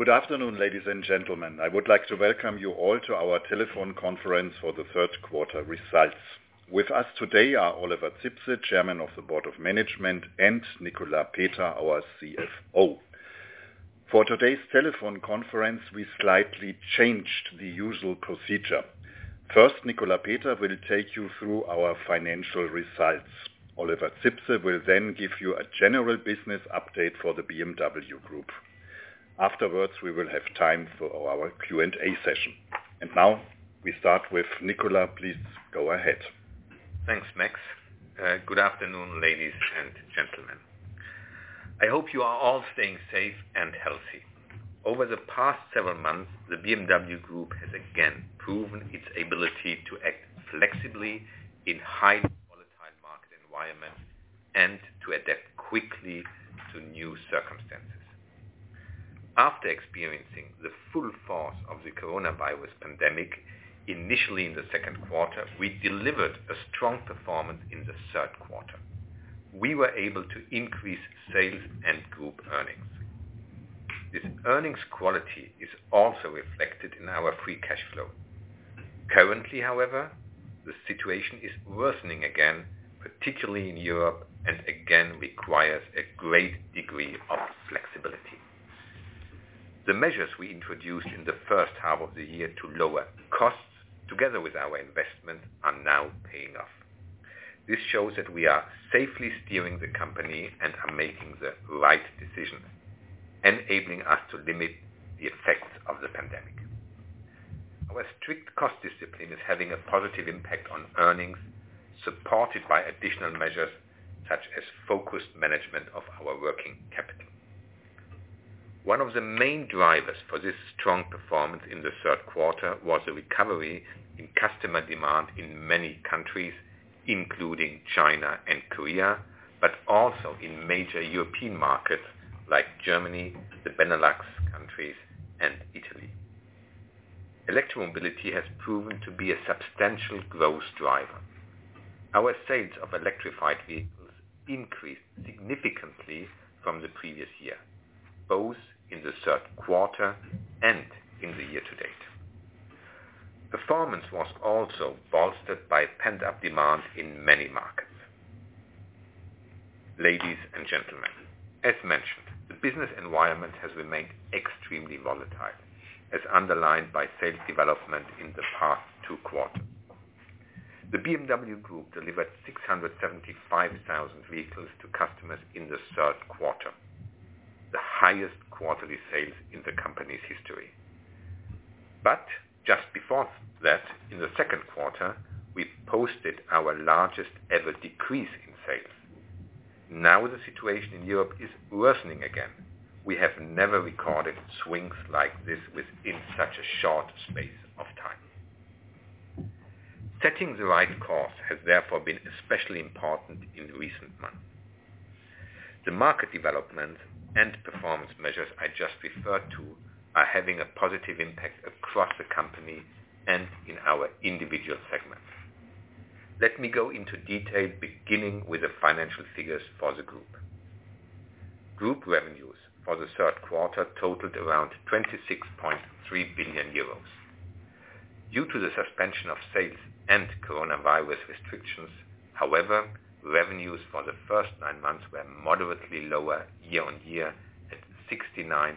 Good afternoon, ladies and gentlemen. I would like to welcome you all to our telephone conference for the third quarter results. With us today are Oliver Zipse, Chairman of the Board of Management, and Nicolas Peter, our CFO. For today's telephone conference, we slightly changed the usual procedure. First, Nicolas Peter will take you through our financial results. Oliver Zipse will then give you a general business update for the BMW Group. Afterwards, we will have time for our Q&A session. Now, we start with Nicolas. Please go ahead. Thanks, Max. Good afternoon, ladies and gentlemen. I hope you are all staying safe and healthy. Over the past several months, the BMW Group has again proven its ability to act flexibly in highly volatile market environments and to adapt quickly to new circumstances. After experiencing the full force of the coronavirus pandemic, initially in the second quarter, we delivered a strong performance in the third quarter. We were able to increase sales and group earnings. This earnings quality is also reflected in our free cash flow. Currently, however, the situation is worsening again, particularly in Europe, again, requires a great degree of flexibility. The measures we introduced in the first half of the year to lower costs, together with our investment, are now paying off. This shows that we are safely steering the company and are making the right decision, enabling us to limit the effects of the pandemic. Our strict cost discipline is having a positive impact on earnings, supported by additional measures such as focused management of our working capital. One of the main drivers for this strong performance in the third quarter was a recovery in customer demand in many countries, including China and Korea, but also in major European markets like Germany, the Benelux countries, and Italy. Electromobility has proven to be a substantial growth driver. Our sales of electrified vehicles increased significantly from the previous year, both in the third quarter and in the year-to-date. Performance was also bolstered by pent-up demand in many markets. Ladies and gentlemen, as mentioned, the business environment has remained extremely volatile, as underlined by sales development in the past two quarters. The BMW Group delivered 675,000 vehicles to customers in the third quarter, the highest quarterly sales in the company's history. Just before that, in the second quarter, we posted our largest ever decrease in sales. The situation in Europe is worsening again. We have never recorded swings like this within such a short space of time. Setting the right course has therefore been especially important in recent months. The market development and performance measures I just referred to are having a positive impact across the company and in our individual segments. Let me go into detail, beginning with the financial figures for the group. Group revenues for the third quarter totaled around 26.3 billion euros. Due to the suspension of sales and coronavirus restrictions, however, revenues for the first nine months were moderately lower year-on-year at 69.5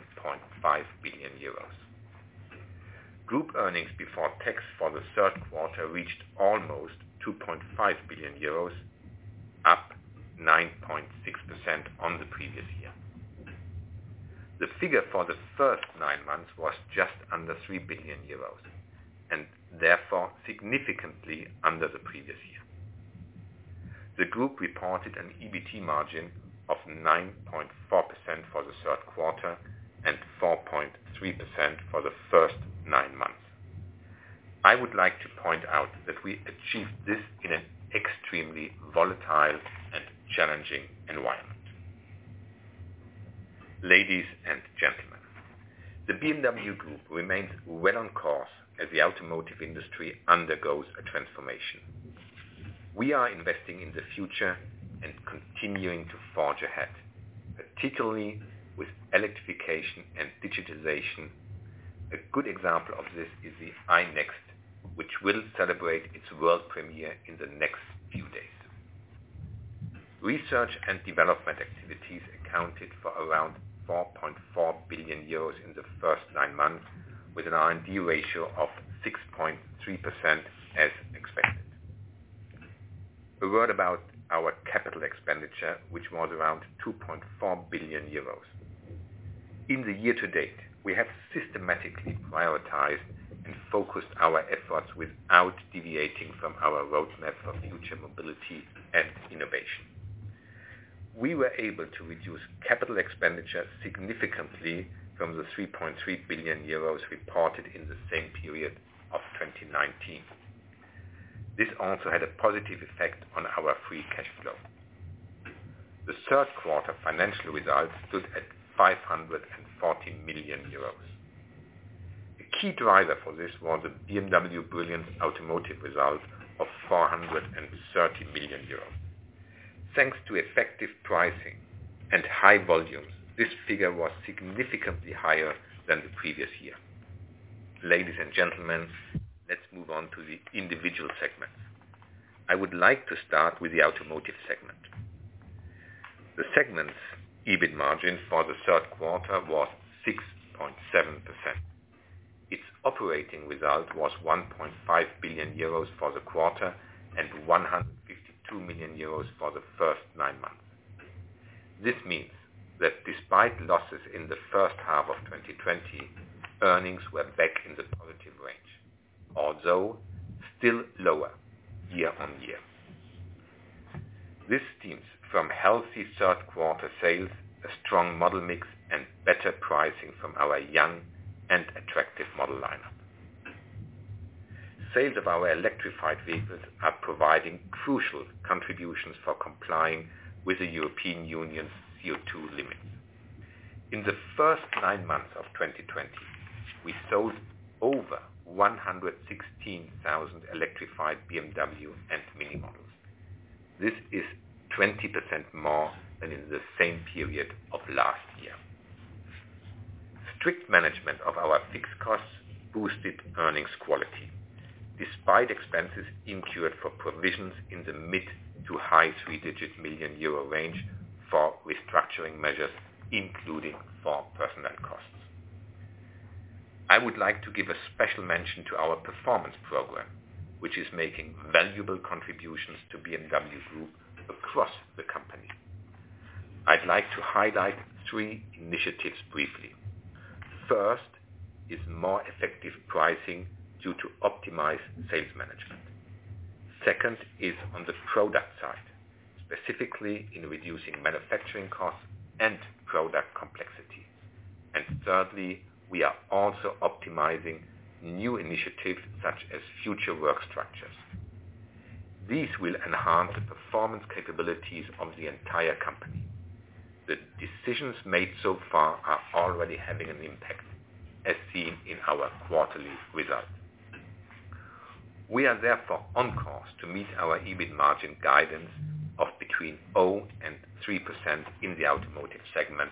billion euros. Group earnings before tax for the third quarter reached almost 2.5 billion euros, up 9.6% on the previous year. The figure for the first nine months was just under 3 billion euros and therefore significantly under the previous year. The group reported an EBT margin of 9.4% for the third quarter and 4.3% for the first nine months. I would like to point out that we achieved this in an extremely volatile and challenging environment. Ladies and gentlemen, the BMW Group remains well on course as the automotive industry undergoes a transformation. We are investing in the future and continuing to forge ahead, particularly with electrification and digitization. A good example of this is the iNEXT, which will celebrate its world premiere in the next few days. Research and development activities accounted for around 4.4 billion euros in the first nine months, with an R&D ratio of 6.3% as expected. A word about our capital expenditure, which was around 2.4 billion euros. In the year to date, we have systematically prioritized and focused our efforts without deviating from our roadmap for future mobility and innovation. We were able to reduce capital expenditure significantly from the 3.3 billion euros reported in the same period of 2019. This also had a positive effect on our free cash flow. The third quarter financial results stood at 540 million euros. A key driver for this was the BMW Brilliance Automotive result of 430 million euros. Thanks to effective pricing and high volumes, this figure was significantly higher than the previous year. Ladies and gentlemen, let's move on to the individual segments. I would like to start with the automotive segment. The segment's EBIT margin for the third quarter was 6.7%. Its operating result was 1.5 billion euros for the quarter and 152 million euros for the first nine months. This means that despite losses in the first half of 2020, earnings were back in the positive range, although still lower year-on-year. This stems from healthy third-quarter sales, a strong model mix, and better pricing from our young and attractive model lineup. Sales of our electrified vehicles are providing crucial contributions for complying with the European Union's CO2 limits. In the first nine months of 2020, we sold over 116,000 electrified BMW and MINI models. This is 20% more than in the same period of last year. Strict management of our fixed costs boosted earnings quality, despite expenses incurred for provisions in the mid to high three-digit million EUR range for restructuring measures, including for personnel costs. I would like to give a special mention to our performance program, which is making valuable contributions to BMW Group across the company. I'd like to highlight three initiatives briefly. First is more effective pricing due to optimized sales management. Second is on the product side, specifically in reducing manufacturing costs and product complexity. Thirdly, we are also optimizing new initiatives such as future work structures. These will enhance the performance capabilities of the entire company. The decisions made so far are already having an impact, as seen in our quarterly results. We are therefore on course to meet our EBIT margin guidance of between 0% and 3% in the automotive segment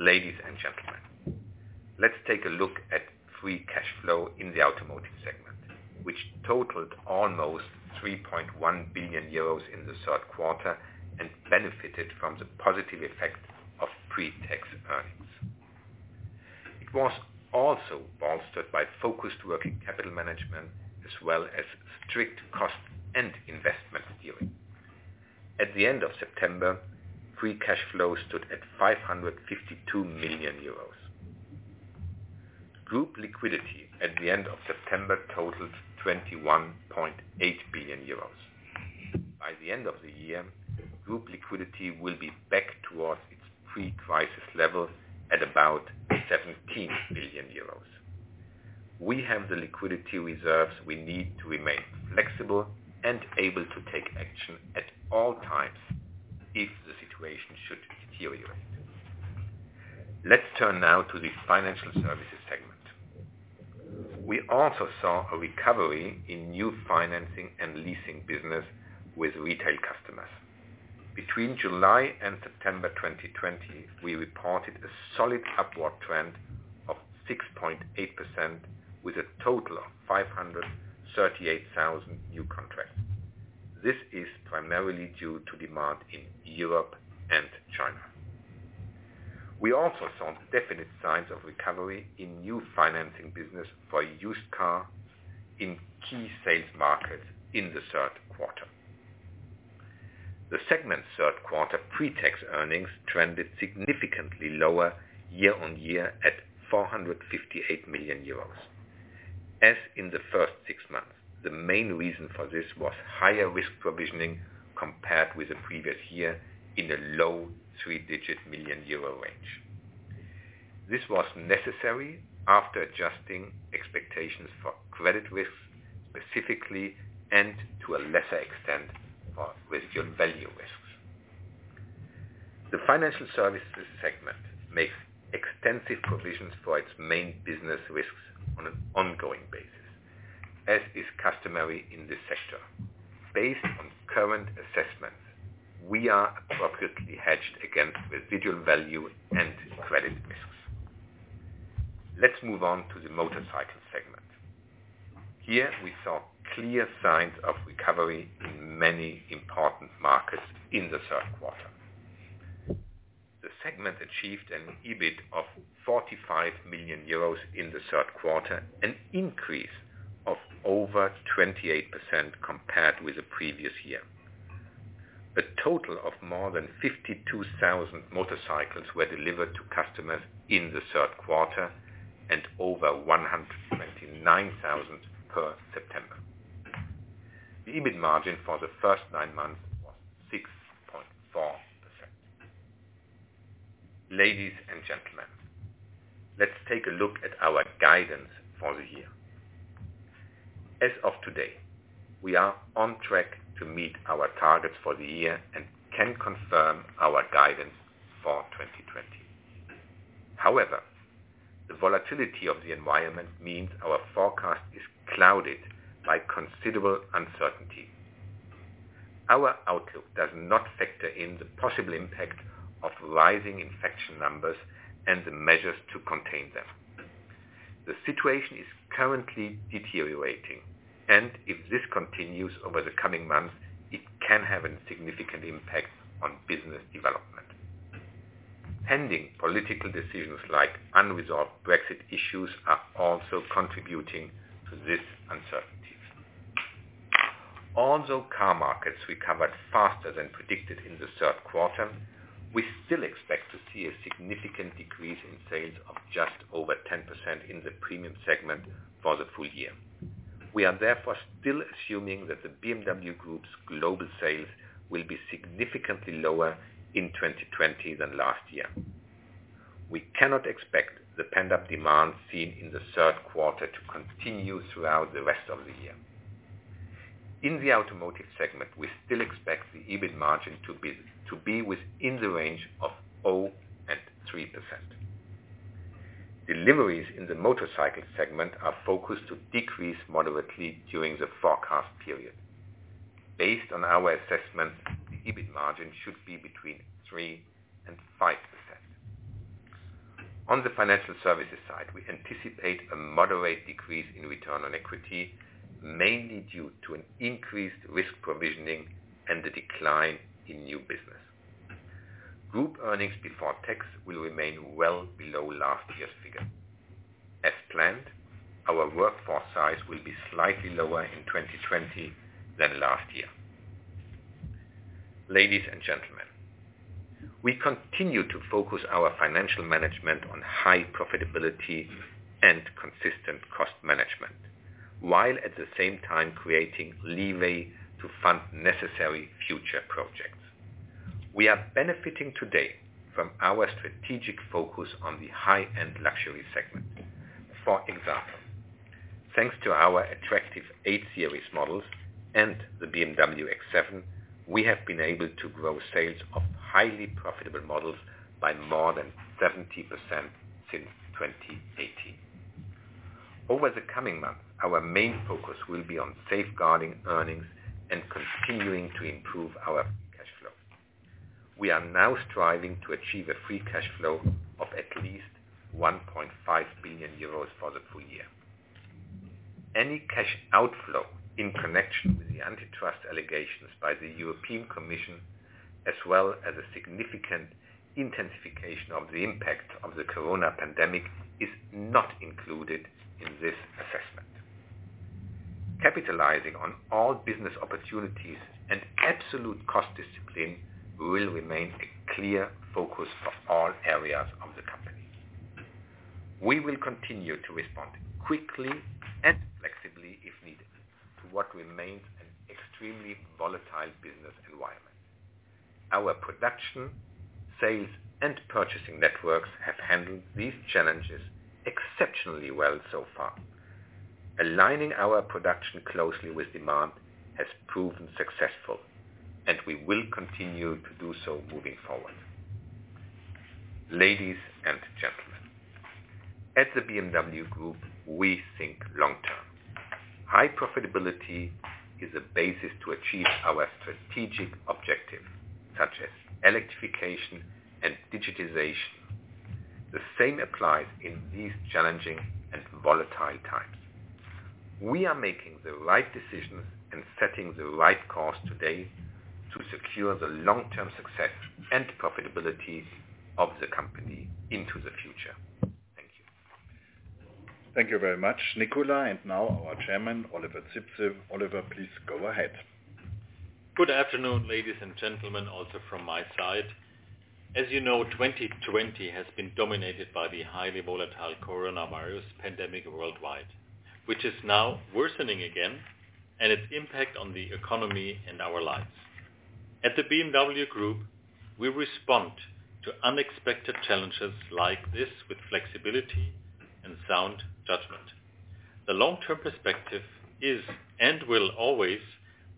as planned. Ladies and gentlemen, let's take a look at free cash flow in the automotive segment, which totaled almost 3.1 billion euros in the third quarter and benefited from the positive effect of pre-tax earnings. It was also bolstered by focused working capital management as well as strict cost and investment steering. At the end of September, free cash flow stood at 552 million euros. Group liquidity at the end of September totaled 21.8 billion euros. By the end of the year, group liquidity will be back towards its pre-crisis level at about 17 billion euros. We have the liquidity reserves we need to remain flexible and able to take action at all times if the situation should deteriorate. Let's turn now to the financial services segment. We also saw a recovery in new financing and leasing business with retail customers. Between July and September 2020, we reported a solid upward trend of 6.8% with a total of 538,000 new contracts. This is primarily due to demand in Europe and China. We also saw definite signs of recovery in new financing business for used car in key sales markets in the third quarter. The segment's third-quarter pre-tax earnings trended significantly lower year-on-year at 458 million euros. As in the first six months, the main reason for this was higher risk provisioning compared with the previous year in a low three-digit million euro range. This was necessary after adjusting expectations for credit risks, specifically, and to a lesser extent, for residual value risks. The financial services segment makes extensive provisions for its main business risks on an ongoing basis, as is customary in this sector. Based on current assessments, we are appropriately hedged against residual value and credit risks. Let's move on to the motorcycle segment. Here we saw clear signs of recovery in many important markets in the third quarter. The segment achieved an EBIT of 45 million euros in the third quarter, an increase of over 28% compared with the previous year. A total of more than 52,000 motorcycles were delivered to customers in the third quarter and over 199,000 per September. The EBIT margin for the first nine months was 6.4%. Ladies and gentlemen, let's take a look at our guidance for the year. As of today, we are on track to meet our targets for the year and can confirm our guidance for 2020. However, the volatility of the environment means our forecast is clouded by considerable uncertainty. Our outlook does not factor in the possible impact of rising infection numbers and the measures to contain them. The situation is currently deteriorating, and if this continues over the coming months, it can have a significant impact on business development. Pending political decisions like unresolved Brexit issues are also contributing to this uncertainty. Although car markets recovered faster than predicted in the third quarter, we still expect to see a significant decrease in sales of just over 10% in the premium segment for the full year. We are therefore still assuming that the BMW Group's global sales will be significantly lower in 2020 than last year. We cannot expect the pent-up demand seen in the third quarter to continue throughout the rest of the year. In the automotive segment, we still expect the EBIT margin to be within the range of 0 and 3%. Deliveries in the motorcycle segment are focused to decrease moderately during the forecast period. Based on our assessment, the EBIT margin should be between 3% and 5%. On the financial services side, we anticipate a moderate decrease in return on equity, mainly due to an increased risk provisioning and the decline in new business. Group earnings before tax will remain well below last year's figure. As planned, our workforce size will be slightly lower in 2020 than last year. Ladies and gentlemen, we continue to focus our financial management on high profitability and consistent cost management, while at the same time creating leeway to fund necessary future projects. We are benefiting today from our strategic focus on the high-end luxury segment. For example, thanks to our attractive 8 Series models and the BMW X7, we have been able to grow sales of highly profitable models by more than 70% since 2018. Over the coming months, our main focus will be on safeguarding earnings and continuing to improve our cash flow. We are now striving to achieve a free cash flow of at least 1.5 billion euros for the full year. Any cash outflow in connection with the antitrust allegations by the European Commission, as well as a significant intensification of the impact of the coronavirus pandemic, is not included in this assessment. Capitalizing on all business opportunities and absolute cost discipline will remain a clear focus for all areas of the company. We will continue to respond quickly and flexibly, if needed, to what remains an extremely volatile business environment. Our production, sales, and purchasing networks have handled these challenges exceptionally well so far. Aligning our production closely with demand has proven successful, and we will continue to do so moving forward. Ladies and gentlemen, at the BMW Group, we think long-term. High profitability is a basis to achieve our strategic objective, such as electrification and digitization. The same applies in these challenging and volatile times. We are making the right decisions and setting the right course today to secure the long-term success and profitability of the company into the future. Thank you. Thank you very much, Nicolas. Now our Chairman, Oliver Zipse. Oliver, please go ahead. Good afternoon, ladies and gentlemen, also from my side. As you know, 2020 has been dominated by the highly volatile coronavirus pandemic worldwide, which is now worsening again, and its impact on the economy and our lives. At the BMW Group, we respond to unexpected challenges like this with flexibility and sound judgment. The long-term perspective is and will always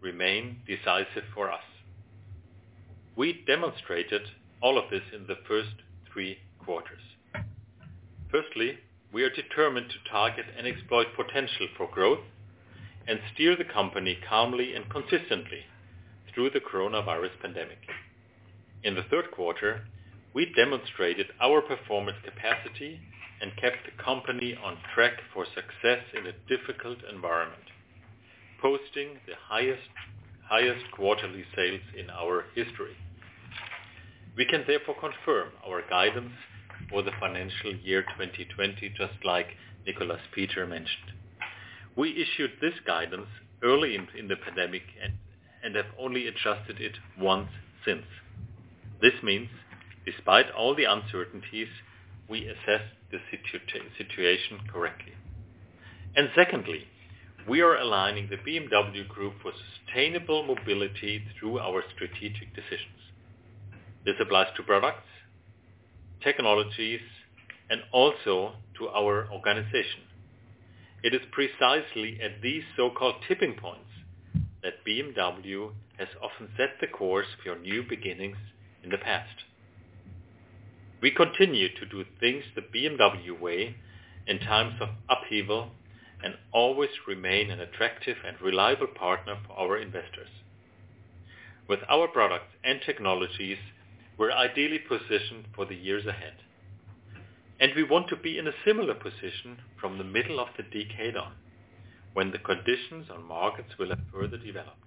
remain decisive for us. We demonstrated all of this in the first three quarters. Firstly, we are determined to target and exploit potential for growth and steer the company calmly and consistently through the coronavirus pandemic. In the third quarter, we demonstrated our performance capacity and kept the company on track for success in a difficult environment, posting the highest quarterly sales in our history. We can therefore confirm our guidance for the financial year 2020, just like Nicolas Peter mentioned. We issued this guidance early in the pandemic and have only adjusted it once since. This means despite all the uncertainties, we assessed the situation correctly. Secondly, we are aligning the BMW Group for sustainable mobility through our strategic decisions. This applies to products technologies and also to our organization. It is precisely at these so-called tipping points that BMW has often set the course for new beginnings in the past. We continue to do things the BMW way in times of upheaval and always remain an attractive and reliable partner for our investors. With our products and technologies, we're ideally positioned for the years ahead. We want to be in a similar position from the middle of the decade on, when the conditions and markets will have further developed.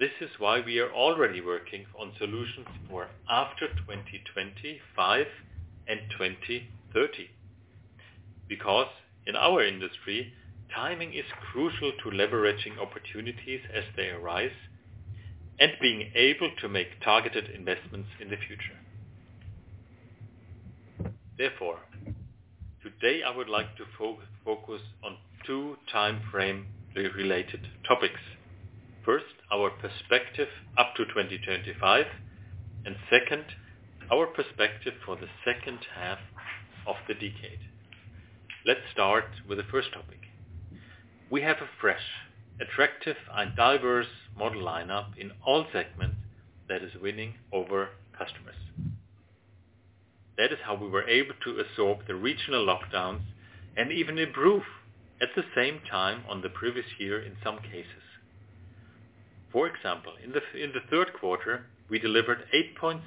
This is why we are already working on solutions for after 2025 and 2030. Because in our industry, timing is crucial to leveraging opportunities as they arise and being able to make targeted investments in the future. Therefore, today I would like to focus on two timeframe-related topics. First, our perspective up to 2025, and second, our perspective for the second half of the decade. Let's start with the first topic. We have a fresh, attractive, and diverse model lineup in all segments that is winning over customers. That is how we were able to absorb the regional lockdowns and even improve at the same time on the previous year in some cases. For example, in the third quarter, we delivered 8.6%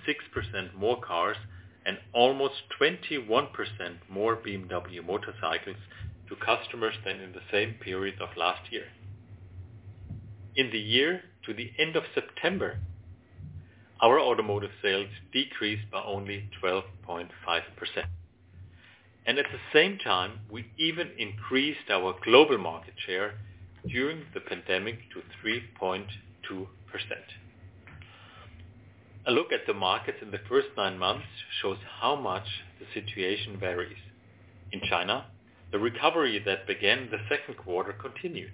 more cars and almost 21% more BMW motorcycles to customers than in the same period of last year. In the year to the end of September, our automotive sales decreased by only 12.5%. At the same time, we even increased our global market share during the pandemic to 3.2%. A look at the markets in the first nine months shows how much the situation varies. In China, the recovery that began the second quarter continued.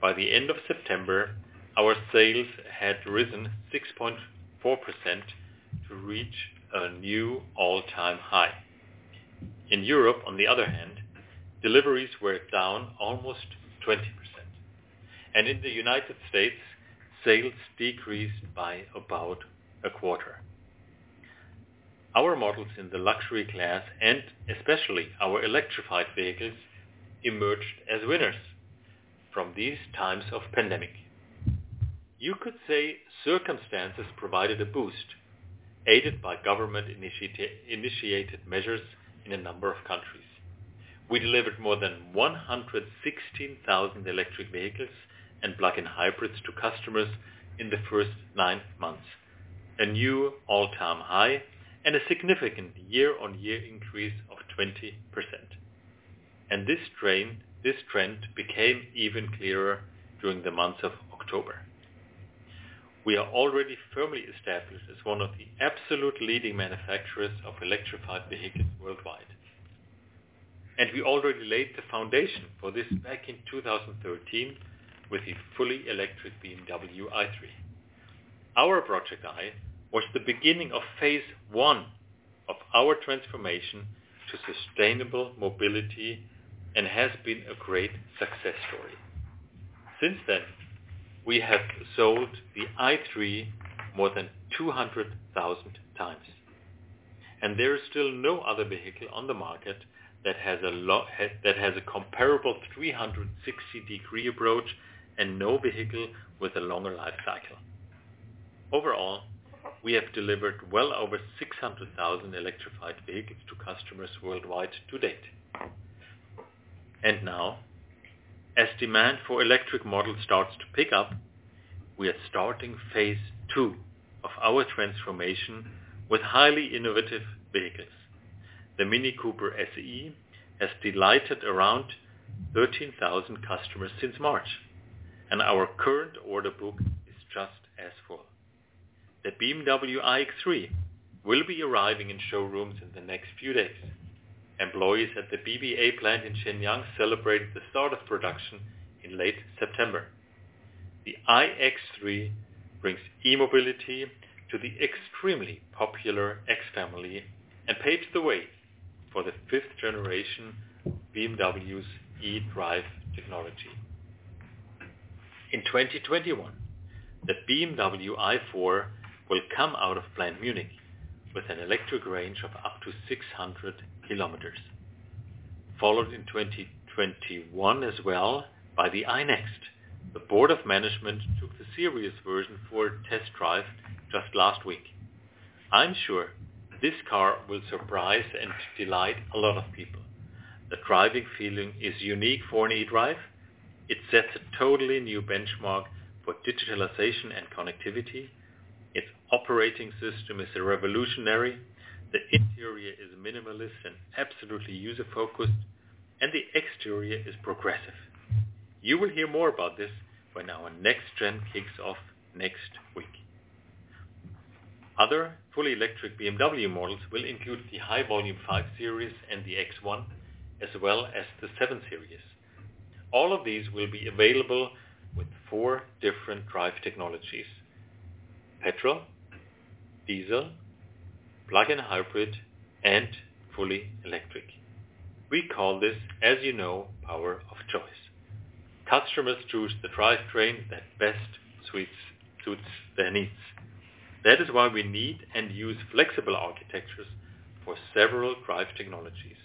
By the end of September, our sales had risen 6.4% to reach a new all-time high. In Europe, on the other hand, deliveries were down almost 20%. In the United States, sales decreased by about a quarter. Our models in the luxury class, and especially our electrified vehicles, emerged as winners from these times of pandemic. You could say circumstances provided a boost, aided by government-initiated measures in a number of countries. We delivered more than 116,000 electric vehicles and plug-in hybrids to customers in the first nine months, a new all-time high and a significant year-on-year increase of 20%. This trend became even clearer during the month of October. We are already firmly established as one of the absolute leading manufacturers of electrified vehicles worldwide, and we already laid the foundation for this back in 2013 with the fully electric BMW i3. Our Project i was the beginning of phase I of our transformation to sustainable mobility and has been a great success story. Since then, we have sold the i3 more than 200,000 times, and there is still no other vehicle on the market that has a comparable 360-degree approach and no vehicle with a longer life cycle. Overall, we have delivered well over 600,000 electrified vehicles to customers worldwide to date. Now, as demand for electric models starts to pick up, we are starting phase II of our transformation with highly innovative vehicles. The MINI Cooper SE has delighted around 13,000 customers since March. Our current order book is just as full. The BMW iX3 will be arriving in showrooms in the next few days. Employees at the BBA plant in Shenyang celebrated the start of production in late September. The iX3 brings e-mobility to the extremely popular X family and paves the way for the Generation 5 BMW's eDrive technology. In 2021, the BMW i4 will come out of Plant Munich with an electric range of up to 600 km, followed in 2021 as well by the iNEXT. The board of management took the series version for a test drive just last week. I'm sure this car will surprise and delight a lot of people. The driving feeling is unique for an eDrive. It sets a totally new benchmark for digitalization and connectivity. Its operating system is revolutionary. The interior is minimalist and absolutely user-focused. The exterior is progressive. You will hear more about this when our #NEXTGen kicks off next week. Other fully electric BMW models will include the high-volume 5 Series and the X1, as well as the 7 Series. All of these will be available with four different drive technologies, petrol, diesel, plug-in hybrid, and fully electric. We call this, as you know, power of choice. Customers choose the drivetrain that best suits their needs. That is why we need and use flexible architectures for several drive technologies.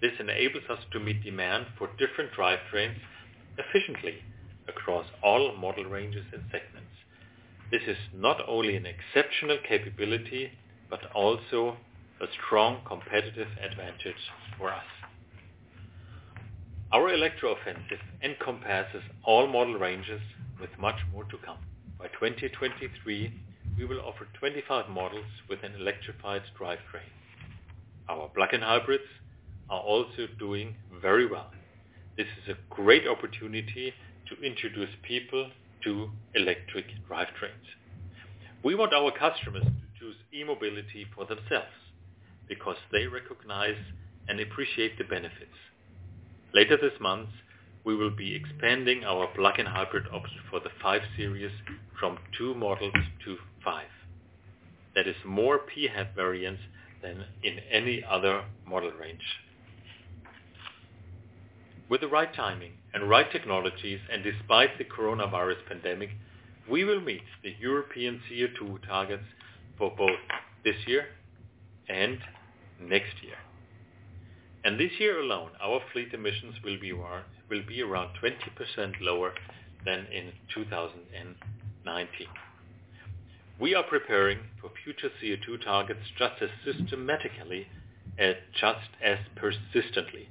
This enables us to meet demand for different drivetrains efficiently across all model ranges and segments. This is not only an exceptional capability, but also a strong competitive advantage for us. Our electro offensive encompasses all model ranges with much more to come. By 2023, we will offer 25 models with an electrified drivetrain. Our plug-in hybrids are also doing very well. This is a great opportunity to introduce people to electric drivetrains. We want our customers to choose e-mobility for themselves because they recognize and appreciate the benefits. Later this month, we will be expanding our plug-in hybrid option for the 5 Series from two models to five. That is more PHEV variants than in any other model range. Despite the coronavirus pandemic, we will meet the European CO2 targets for both this year and next year. This year alone, our fleet emissions will be around 20% lower than in 2019. We are preparing for future CO2 targets just as systematically, and just as persistently.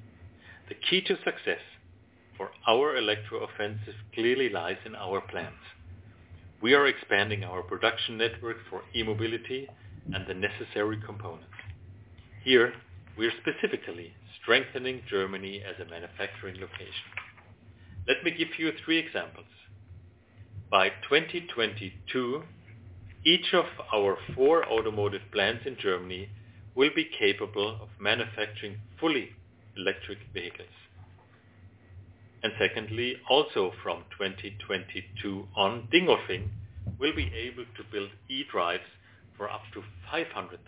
The key to success for our electro offensive clearly lies in our plans. We are expanding our production network for e-mobility and the necessary components. Here, we are specifically strengthening Germany as a manufacturing location. Let me give you three examples. By 2022, each of our four automotive plants in Germany will be capable of manufacturing fully electric vehicles. Secondly, also from 2022 on, Dingolfing will be able to build eDrive for up to 500,000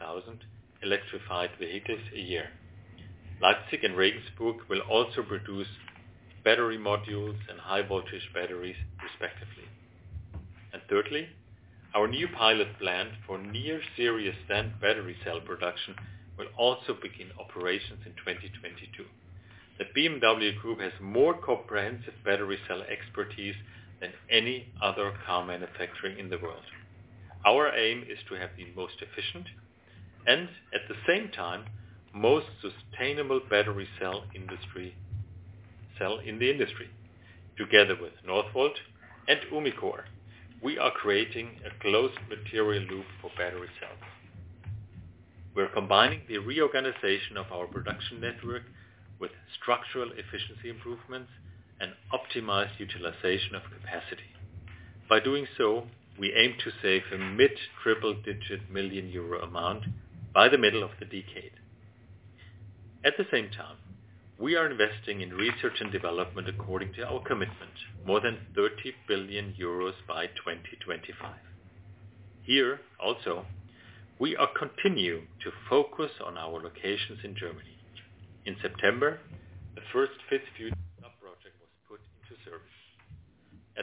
electrified vehicles a year. Leipzig and Regensburg will also produce battery modules and high voltage batteries, respectively. Thirdly, our new pilot plant for near series cell battery cell production will also begin operations in 2022. The BMW Group has more comprehensive battery cell expertise than any other car manufacturer in the world. Our aim is to have the most efficient, and at the same time, most sustainable battery cell in the industry. Together with Northvolt and Umicore, we are creating a closed material loop for battery cells. We're combining the reorganization of our production network with structural efficiency improvements and optimized utilization of capacity. By doing so, we aim to save a mid-triple digit million euro amount by the middle of the decade. At the same time, we are investing in research and development according to our commitment, more than 30 billion euros by 2025. Here, also, we are continuing to focus on our locations in Germany. In September, the first FIZ future lab project was put into service.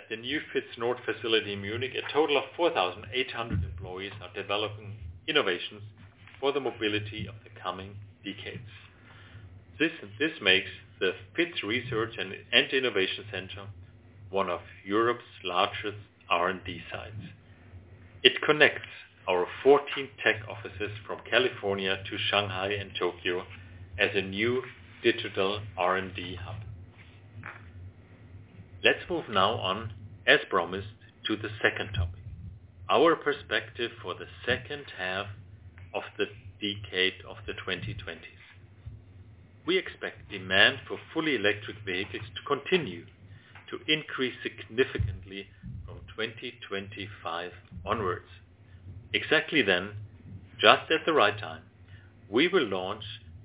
At the new FIZ Nord facility in Munich, a total of 4,800 employees are developing innovations for the mobility of the coming decades. This makes the FIZ Research and Innovation Center one of Europe's largest R&D sites. It connects our 14 tech offices from California to Shanghai and Tokyo as a new digital R&D hub. Let's move now on, as promised, to the second topic, our perspective for the second half of the decade of the 2020s. We expect demand for fully electric vehicles to continue to increase significantly from 2025 onwards. Exactly then, just at the right time, we will launch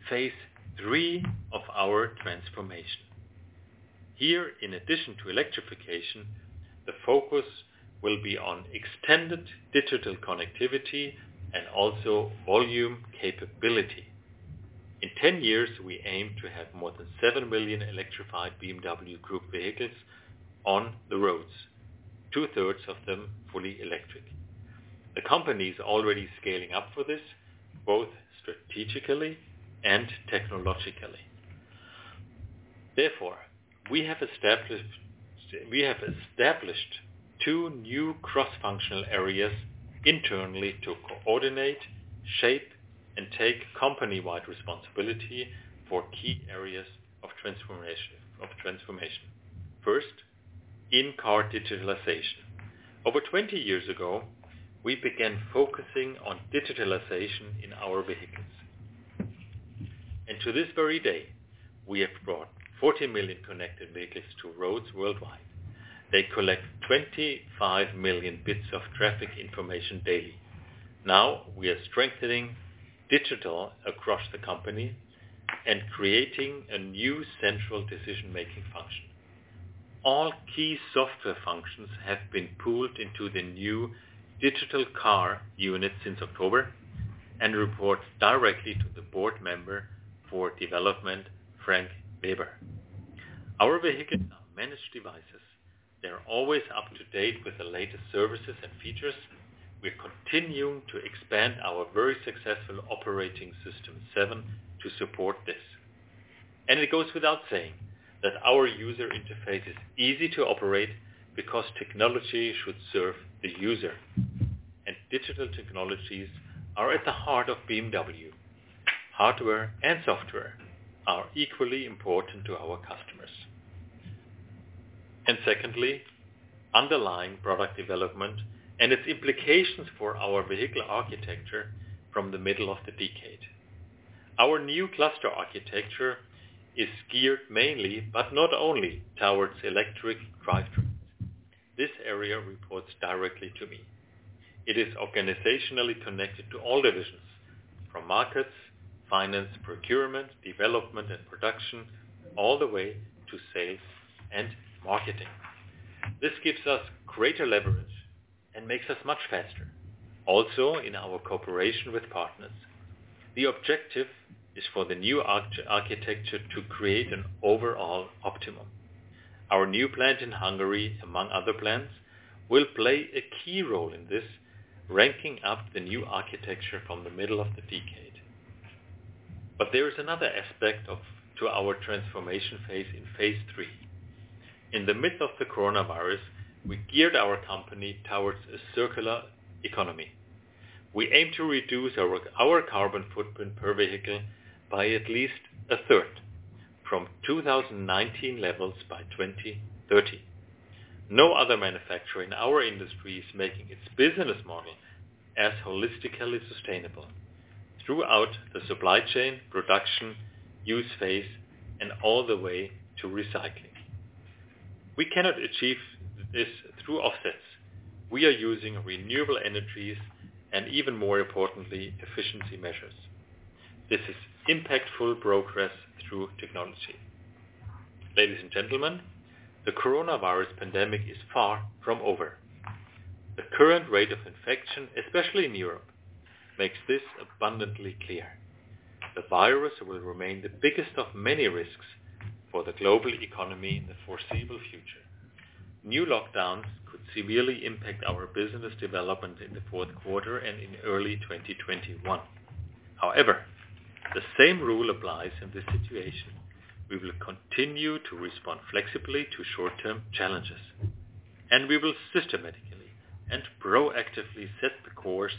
phase III of our transformation. Here, in addition to electrification, the focus will be on extended digital connectivity and also volume capability. In 10 years, we aim to have more than seven million electrified BMW Group vehicles on the roads, two-thirds of them fully electric. The company is already scaling up for this, both strategically and technologically. Therefore, we have established two new cross-functional areas internally to coordinate, shape, and take company-wide responsibility for key areas of transformation. First, in-car digitalization. Over 20 years ago, we began focusing on digitalization in our vehicles. To this very day, we have brought 40 million connected vehicles to roads worldwide. They collect 25 million bits of traffic information daily. We are strengthening digital across the company and creating a new central decision-making function. All key software functions have been pooled into the new digital car unit since October and report directly to the Board Member for Development, Frank Weber. Our vehicles are managed devices. They're always up to date with the latest services and features. We're continuing to expand our very successful Operating System 7 to support this. It goes without saying that our user interface is easy to operate because technology should serve the user. Digital technologies are at the heart of BMW. Hardware and software are equally important to our customers. Secondly, underlying product development and its implications for our vehicle architecture from the middle of the decade. Our new Cluster Architecture is geared mainly, but not only, towards electric drivetrains. This area reports directly to me. It is organizationally connected to all divisions, from markets, finance, procurement, development, and production, all the way to sales and marketing. This gives us greater leverage and makes us much faster, also in our cooperation with partners. The objective is for the new architecture to create an overall optimum. Our new plant in Hungary, among other plants, will play a key role in this, ramping up the new architecture from the middle of the decade. There is another aspect to our transformation phase in phase III. In the midst of the coronavirus, we geared our company towards a circular economy. We aim to reduce our carbon footprint per vehicle by at least a third from 2019 levels by 2030. No other manufacturer in our industry is making its business model as holistically sustainable throughout the supply chain, production, use phase, and all the way to recycling. We cannot achieve this through offsets. We are using renewable energies and, even more importantly, efficiency measures. This is impactful progress through technology. Ladies and gentlemen, the coronavirus pandemic is far from over. The current rate of infection, especially in Europe, makes this abundantly clear. The virus will remain the biggest of many risks for the global economy in the foreseeable future. New lockdowns could severely impact our business development in the fourth quarter and in early 2021. However, the same rule applies in this situation. We will continue to respond flexibly to short-term challenges, and we will systematically and proactively set the course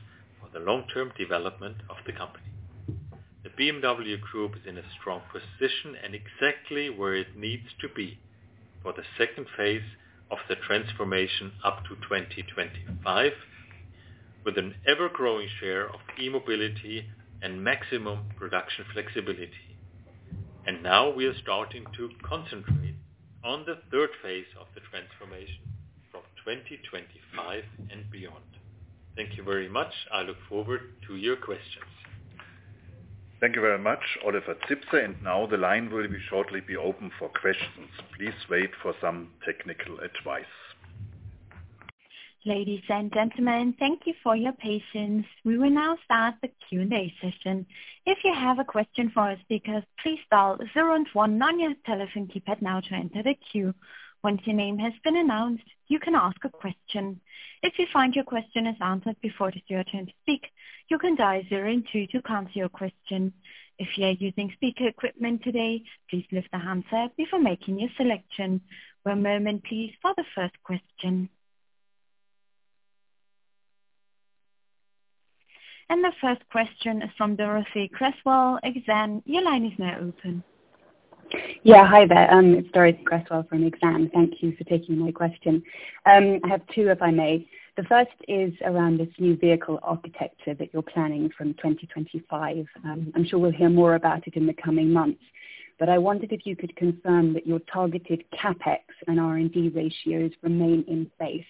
for the long-term development of the company. The BMW Group is in a strong position and exactly where it needs to be for the second phase of the transformation up to 2025, with an ever-growing share of e-mobility and maximum production flexibility. Now we are starting to concentrate on the third phase of the transformation from 2025 and beyond. Thank you very much. I look forward to your questions. Thank you very much, Oliver Zipse. Now the line will shortly be open for questions. Please wait for some technical advice. Ladies and gentlemen, thank you for your patience. We will now start the Q&A session. If u have a question for speaker, please dial 019 on your telephone keypad, now send it on queue. Once your name has been announce, you can ask a question. If you find your question has answered before just your turn to speak, you can guys guaranteed to advance your question. If you are using the speaker equipment today, please use the handset to making a selection. One moment please, for the first question. And the first question from Dorothee Cresswell from Exane. Your line is now open. Hi there. It's Dorothee Cresswell from Exane. Thank you for taking my question. I have two, if I may. The first is around this new vehicle architecture that you're planning from 2025. I'm sure we'll hear more about it in the coming months, but I wondered if you could confirm that your targeted CapEx and R&D ratios remain in place.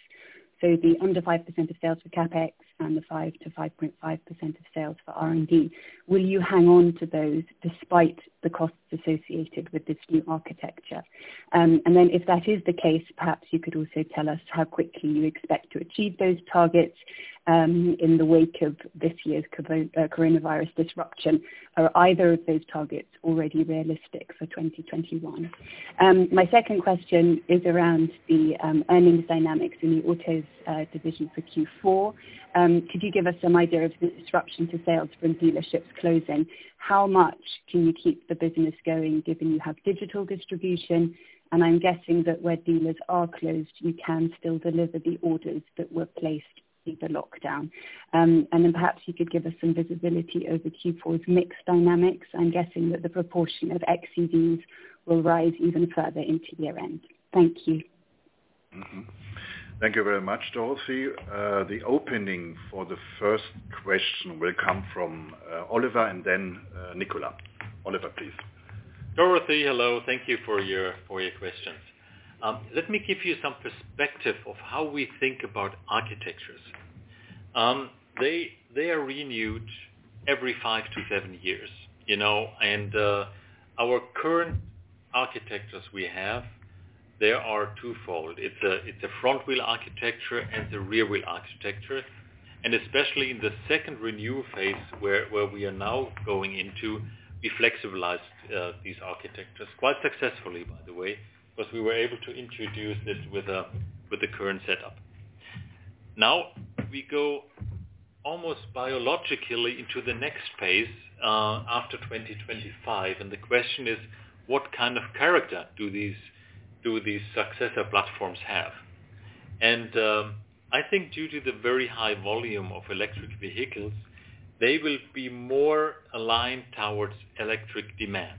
The under 5% of sales for CapEx and the 5%-5.5% of sales for R&D. Will you hang on to those despite the costs associated with this new architecture? If that is the case, perhaps you could also tell us how quickly you expect to achieve those targets, in the wake of this year's coronavirus disruption. Are either of those targets already realistic for 2021? My second question is around the earnings dynamics in the autos division for Q4. Could you give us some idea of the disruption to sales from dealerships closing? How much can you keep the business going given you have digital distribution, and I'm guessing that where dealers are closed, you can still deliver the orders that were placed through the lockdown. Perhaps you could give us some visibility over Q4's mix dynamics. I'm guessing that the proportion of xEVs will rise even further into year-end. Thank you. Thank you very much, Dorothee. The opening for the first question will come from Oliver and then Nicolas. Oliver, please. Dorothee, hello. Thank you for your questions. Let me give you some perspective of how we think about architectures. They are renewed every five to seven years. Our current architectures we have, they are twofold. It's a front-wheel architecture and the rear-wheel architecture, and especially in the second renewal phase, where we are now going into, we flexibilized these architectures quite successfully, by the way, because we were able to introduce this with the current setup. Now we go almost biologically into the next phase, after 2025. The question is, what kind of character do these successor platforms have? I think due to the very high volume of electric vehicles, they will be more aligned towards electric demand.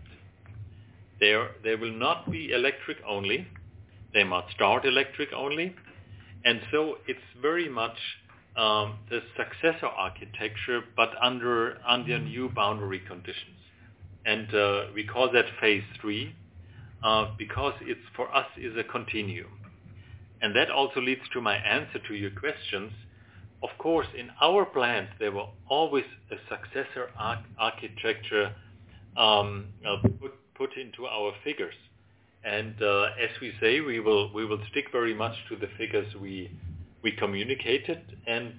They will not be electric only. They must start electric only. It's very much the successor architecture, but under new boundary conditions. We call that phase III, because it's for us is a continuum. That also leads to my answer to your questions. Of course, in our plans, there were always a successor architecture put into our figures. As we say, we will stick very much to the figures we communicated and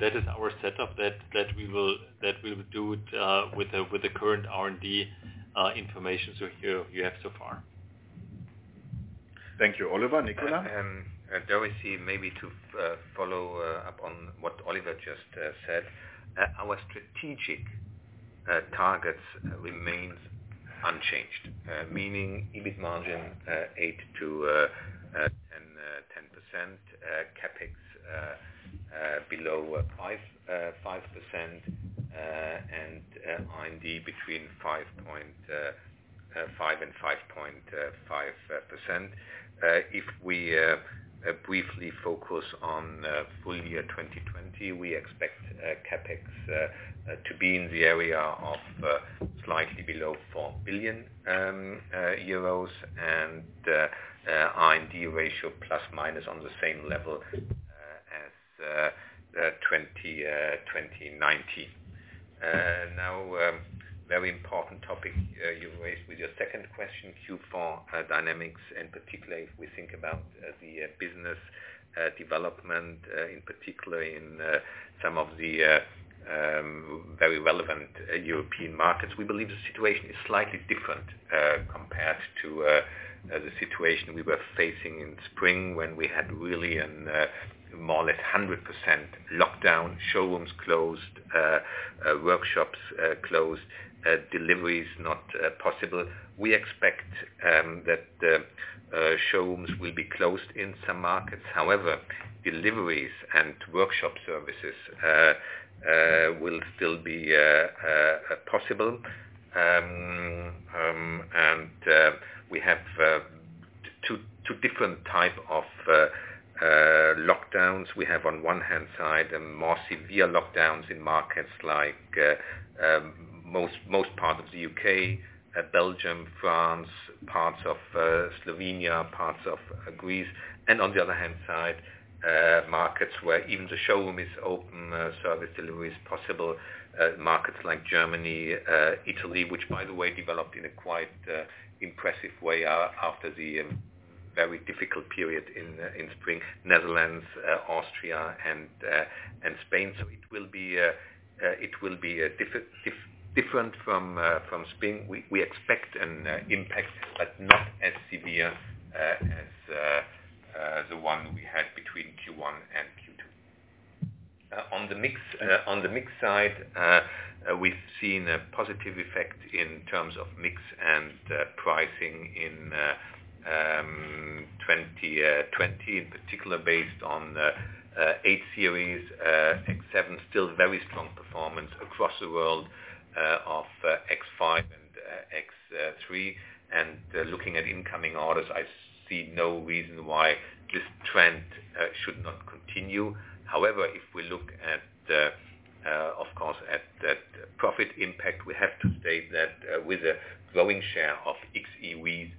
that is our setup that we'll do it with the current R&D information you have so far. Thank you, Oliver. Nicolas. Dorothee, maybe to follow up on what Oliver just said. Our strategic targets remains unchanged. Meaning EBIT margin 8%-10%, CapEx below 5%, and R&D between 5%-5.5%. If we briefly focus on full year 2020, we expect CapEx to be in the area of slightly below 4 billion euros and R&D ratio plus/minus on the same level as 2019. Very important topic you raised with your second question, Q4 dynamics, and particularly if we think about the business development in particular in some of the very relevant European markets. We believe the situation is slightly different compared to the situation we were facing in spring when we had really a more like 100% lockdown, showrooms closed, workshops closed, deliveries not possible. We expect that showrooms will be closed in some markets. However, deliveries and workshop services will still be possible. We have two different type of lockdowns. We have on one hand side, a more severe lockdowns in markets like most part of the U.K., Belgium, France, parts of Slovenia, parts of Greece. On the other hand side, markets where even the showroom is open, service delivery is possible. Markets like Germany, Italy, which by the way developed in a quite impressive way after the very difficult period in spring. Netherlands, Austria and Spain. It will be different from spring. We expect an impact, but not as severe as the one we had between Q1 and Q2. On the mix side, we've seen a positive effect in terms of mix and pricing in 2020, in particular based on 8 Series, X7 still very strong performance across the world of X5 and X3. Looking at incoming orders, I see no reason why this trend should not continue. However, if we look at the profit impact, we have to state that with a growing share of xEVs,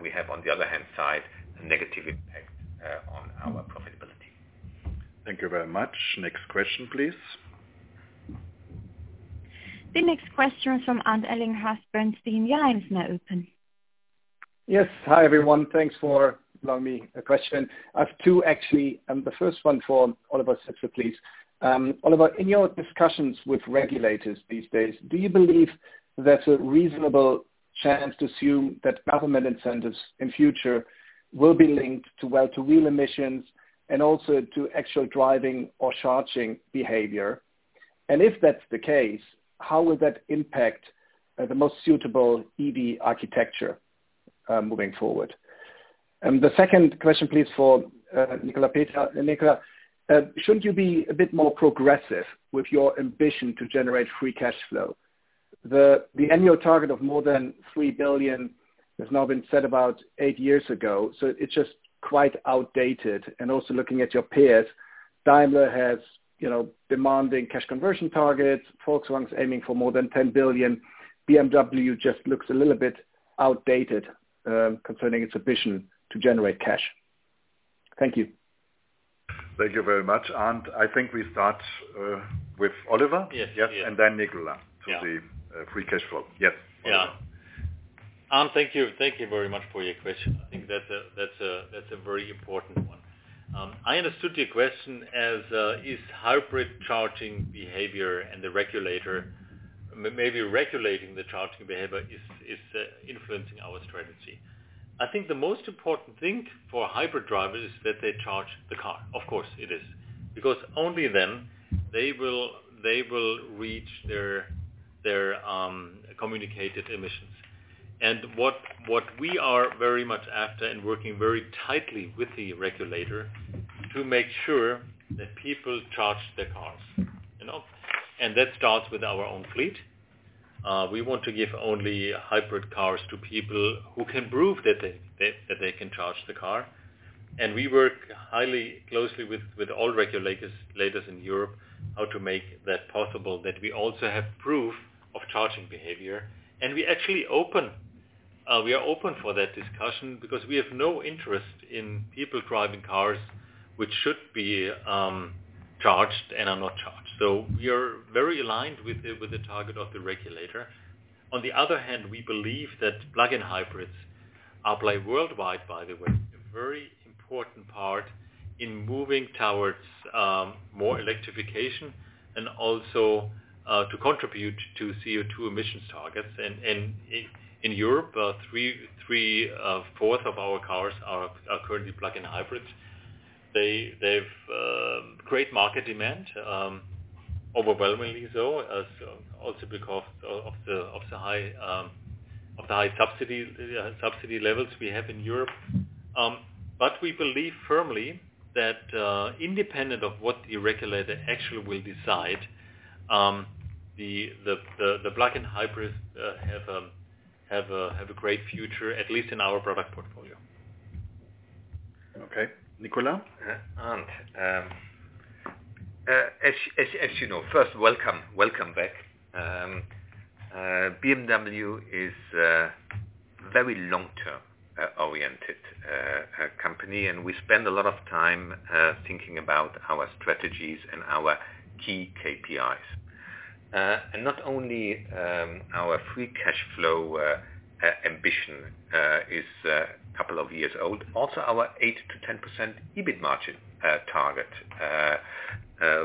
we have on the other hand side a negative impact on our profitability. Thank you very much. Next question, please. The next question from Arndt Ellinghorst, Bernstein. The line is now open. Yes. Hi, everyone. Thanks for allowing me a question. I have two actually, the first one for Oliver Zipse, please. Oliver, in your discussions with regulators these days, do you believe there's a reasonable chance to assume that government incentives in future will be linked to well-to-wheel emissions and also to actual driving or charging behavior? If that's the case, how will that impact the most suitable EV architecture moving forward? The second question, please, for Nicolas Peter. Nicolas, shouldn't you be a bit more progressive with your ambition to generate free cash flow? The annual target of more than 3 billion has now been set about eight years ago, so it's just quite outdated. Also looking at your peers, Daimler has demanding cash conversion targets. Volkswagen is aiming for more than 10 billion. BMW just looks a little bit outdated, concerning its ambition to generate cash. Thank you. Thank you very much. I think we start with Oliver. Yes. Nicolas to the free cash flow. Yes, Oliver. Yeah. Arndt, thank you very much for your question. I think that's a very important one. I understood your question as, is hybrid charging behavior and the regulator maybe regulating the charging behavior is influencing our strategy. I think the most important thing for hybrid drivers is that they charge the car. Of course, it is. Because only then they will reach their communicated emissions. What we are very much after and working very tightly with the regulator to make sure that people charge their cars. That starts with our own fleet. We want to give only hybrid cars to people who can prove that they can charge the car. We work highly closely with all regulators in Europe how to make that possible, that we also have proof of charging behavior. We are open for that discussion because we have no interest in people driving cars which should be charged and are not charged. We are very aligned with the target of the regulator. On the other hand, we believe that plug-in hybrids apply worldwide, by the way, a very important part in moving towards more electrification and also to contribute to CO2 emissions targets. In Europe, three-fourth of our cars are currently plug-in hybrids. They've great market demand, overwhelmingly so, also because of the high subsidy levels we have in Europe. We believe firmly that independent of what the regulator actually will decide, the plug-in hybrids have a great future, at least in our product portfolio. Okay. Nicolas. Arndt, as you know, first welcome back. BMW is a very long-term oriented company, and we spend a lot of time thinking about our strategies and our key KPIs. Not only our free cash flow ambition is a couple of years old, also our 8%-10% EBIT margin target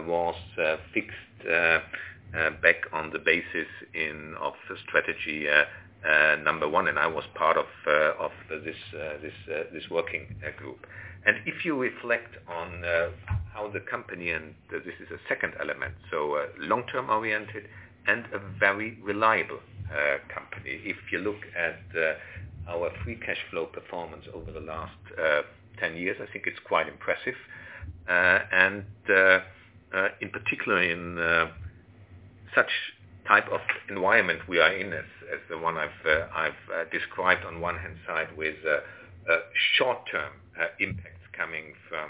was fixed back on the basis of Strategy Number ONE, and I was part of this working group. If you reflect on how the company, and this is a second element, so long-term oriented and a very reliable company. If you look at our free cash flow performance over the last 10 years, I think it's quite impressive. In particular, in such type of environment we are in, as the one I've described on one hand side with short-term impacts coming from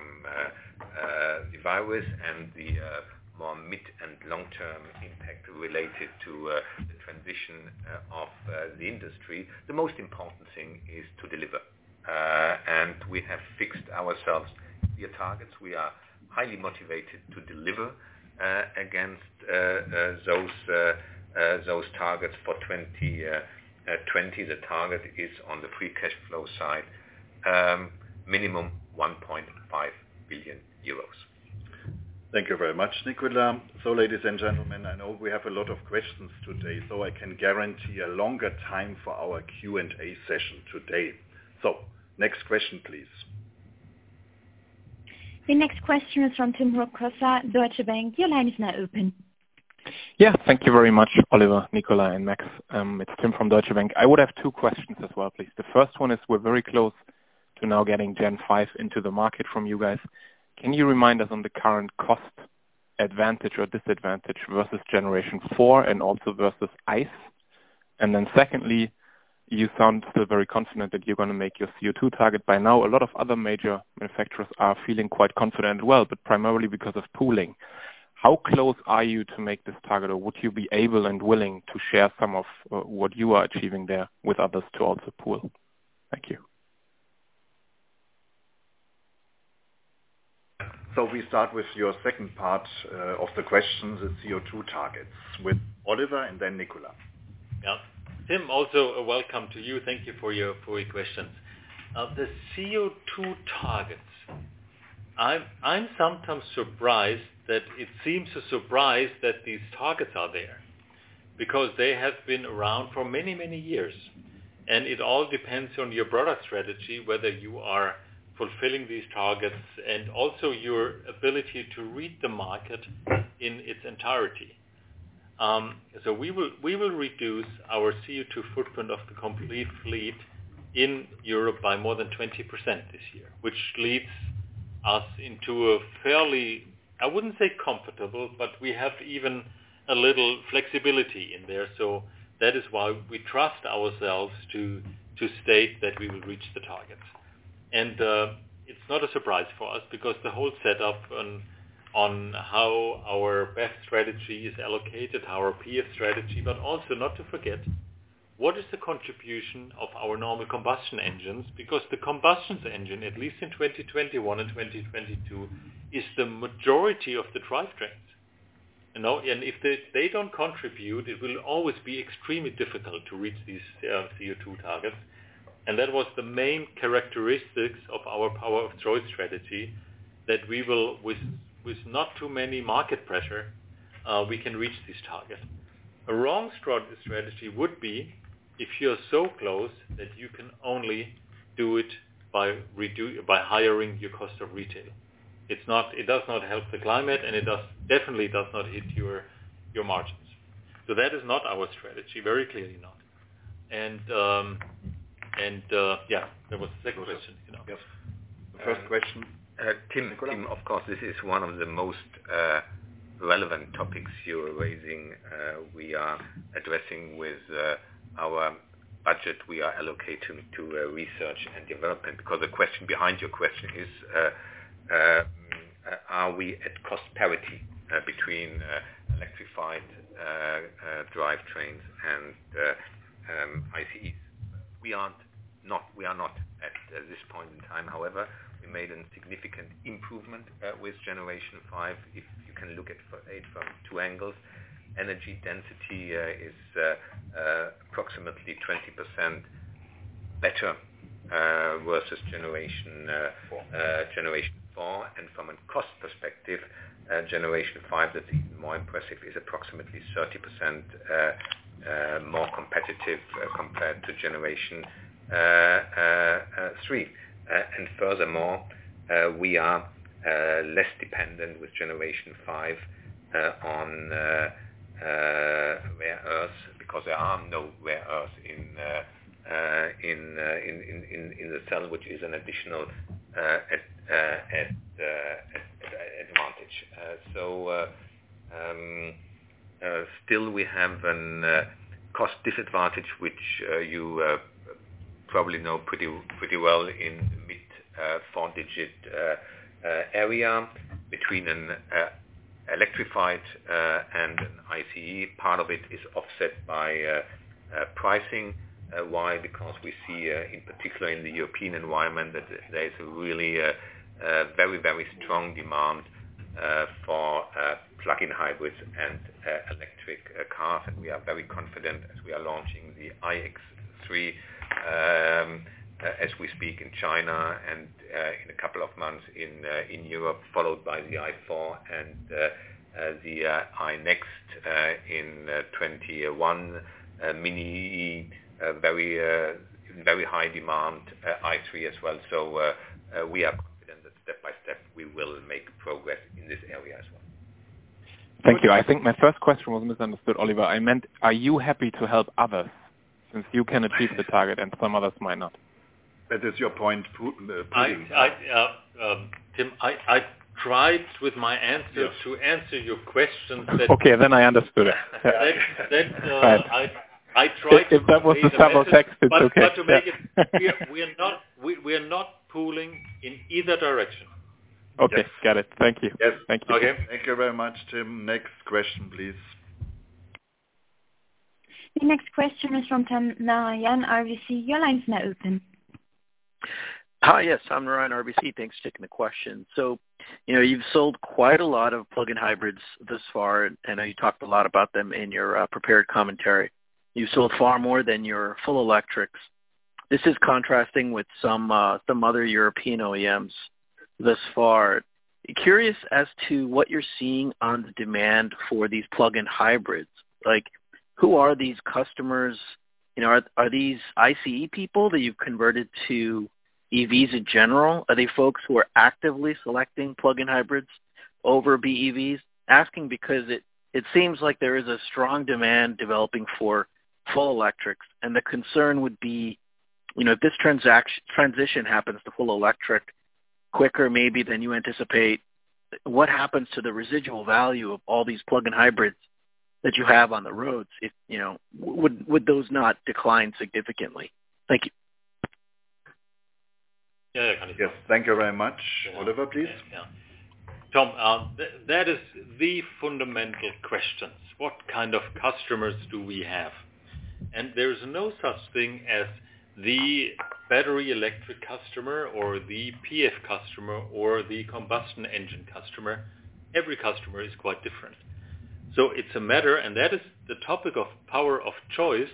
the virus and the more mid- and long-term impact related to the transition of the industry, the most important thing is to deliver. We have fixed ourselves clear targets. We are highly motivated to deliver against those targets for 2020. The target is on the free cash flow side, minimum 1.5 billion euros. Thank you very much, Nicolas. Ladies and gentlemen, I know we have a lot of questions today, so I can guarantee a longer time for our Q&A session today. Next question, please. The next question is from Tim Rokossa, Deutsche Bank. Your line is now open. Thank you very much, Oliver, Nicolas, and Max. It's Tim from Deutsche Bank. I would have two questions as well, please. The first one is we're very close to now getting Generation 5 into the market from you guys. Can you remind us on the current cost advantage or disadvantage versus Generation 4 and also versus ICE? Secondly, you sound still very confident that you're going to make your CO2 target by now. A lot of other major manufacturers are feeling quite confident as well, but primarily because of pooling. How close are you to make this target? Or would you be able and willing to share some of what you are achieving there with others to also pool? Thank you. We start with your second part of the question, the CO2 targets with Oliver and then Nicolas. Yeah. Tim, also welcome to you. Thank you for your questions. The CO2 targets. I'm sometimes surprised that it seems a surprise that these targets are there because they have been around for many years. It all depends on your product strategy, whether you are fulfilling these targets and also your ability to read the market in its entirety. We will reduce our CO2 footprint of the complete fleet in Europe by more than 20% this year, which leads us into a fairly, I wouldn't say comfortable, but we have even a little flexibility in there. That is why we trust ourselves to state that we will reach the target. It's not a surprise for us because the whole setup on how our BEV strategy is allocated, our PHEV strategy, but also not to forget what is the contribution of our normal combustion engines, because the combustion engine, at least in 2021 and 2022, is the majority of the drivetrains. If they don't contribute, it will always be extremely difficult to reach these CO2 targets. That was the main characteristics of our power of choice strategy, that we will, with not too many market pressure, we can reach this target. A wrong strategy would be if you are so close that you can only do it by hiring your cost of retail. It does not help the climate, it definitely does not hit your margins. That is not our strategy. Very clearly not. There was a second question. Yes. The first question. Tim, of course, this is one of the most relevant topics you're raising. We are addressing with our budget we are allocating to research and development. The question behind your question is, are we at cost parity between electrified drivetrains and ICEs? We are not at this point in time. We made a significant improvement with Generation 5. If you can look at it from two angles, energy density is approximately 20% better. Four. Generation 4. From a cost perspective, Generation 5 that's even more impressive, is approximately 30% more competitive compared to Generation 3. Furthermore, we are less dependent with Generation 5 on rare earths because there are no rare earths in the cell, which is an additional advantage. Still we have a cost disadvantage, which you probably know pretty well in mid four-digit area between an electrified and an ICE. Part of it is offset by pricing. Why? Because we see in particular in the European environment that there is a really very strong demand for plug-in hybrids and electric cars. We are very confident as we are launching the iX3 as we speak in China, and in a couple of months in Europe, followed by the i4 and the iNEXT in 2021. Mini E, very high demand. i3 as well. We are confident that step by step we will make progress in this area as well. Thank you. I think my first question was misunderstood, Oliver. I meant, are you happy to help others since you can achieve the target and some others might not? That is your point, pooling. Tim, I tried with my answer. Yeah. To answer your question. Okay, I understood. Then I tried. If that was the double text, it's okay. To make it clear, we are not pooling in either direction. Okay. Yes. Got it. Thank you. Yes. Thank you. Okay. Thank you very much, Tim. Next question, please. The next question is from Tom Narayan, RBC. Your line's now open. Hi, yes, Tom Narayan, RBC. Thanks for taking the question. You've sold quite a lot of plug-in hybrids thus far, and I know you talked a lot about them in your prepared commentary. You sold far more than your full electrics. This is contrasting with some other European OEMs thus far. Curious as to what you're seeing on the demand for these plug-in hybrids. Who are these customers? Are these ICE people that you've converted to EVs in general? Are they folks who are actively selecting plug-in hybrids over BEVs? Asking because it seems like there is a strong demand developing for full electrics, and the concern would be if this transition happens to full electric quicker maybe than you anticipate, what happens to the residual value of all these plug-in hybrids that you have on the roads? Would those not decline significantly? Thank you. Yeah, yeah. Thank you very much. Oliver, please. Tom, that is the fundamental question. What kind of customers do we have? There is no such thing as the battery electric customer or the PHEV customer or the combustion engine customer. Every customer is quite different. It's a matter, and that is the topic of power of choice,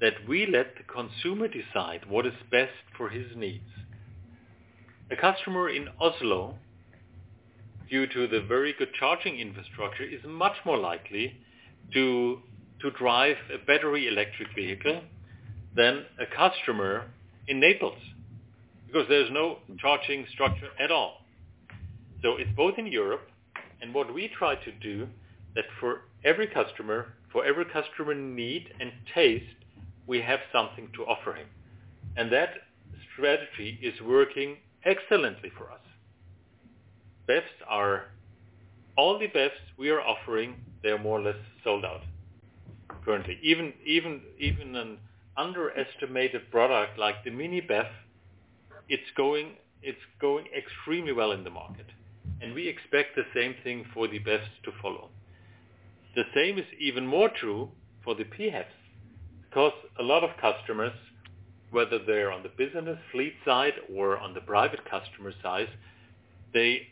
that we let the consumer decide what is best for his needs. A customer in Oslo, due to the very good charging infrastructure, is much more likely to drive a battery electric vehicle than a customer in Naples, because there's no charging structure at all. It's both in Europe, and what we try to do that for every customer need and taste, we have something to offer him. That strategy is working excellently for us. All the BEVs we are offering, they are more or less sold out currently. Even an underestimated product like the MINI BEV, it's going extremely well in the market, we expect the same thing for the BEVs to follow. The same is even more true for the PHEVs, because a lot of customers, whether they're on the business fleet side or on the private customer side, they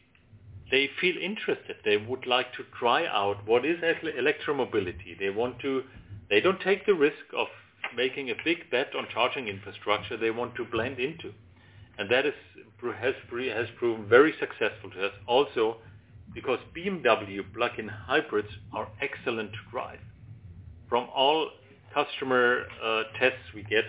feel interested. They would like to try out what is electromobility. They don't take the risk of making a big bet on charging infrastructure, they want to blend into. That has proven very successful to us also because BMW plug-in hybrids are excellent to drive. From all customer tests we get,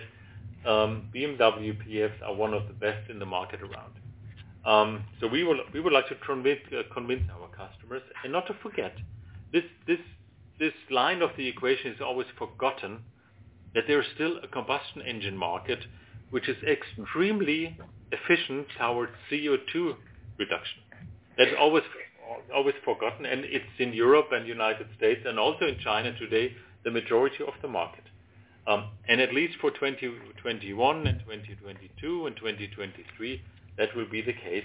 BMW PHEVs are one of the best in the market around. We would like to convince our customers and not to forget, this line of the equation is always forgotten, that there is still a combustion engine market, which is extremely efficient toward CO2 reduction. That's always forgotten, and it's in Europe and U.S. and also in China today, the majority of the market. At least for 2021 and 2022 and 2023, that will be the case.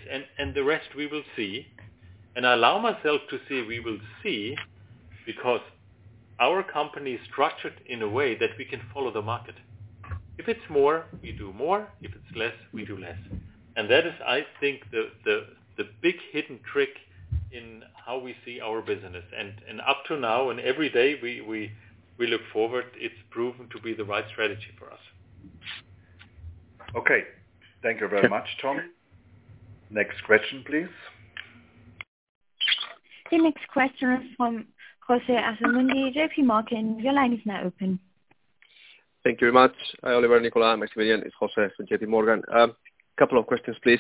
The rest we will see. I allow myself to say we will see because our company is structured in a way that we can follow the market. If it's more, we do more. If it's less, we do less. That is, I think, the big hidden trick in how we see our business. Up to now, and every day we look forward, it's proven to be the right strategy for us. Okay. Thank you very much, Tom. Next question, please. The next question is from José Asumendi, JPMorgan. Your line is now open. Thank you very much, Oliver, Nicolas, Maximilian. It's José from JPMorgan. Couple of questions, please.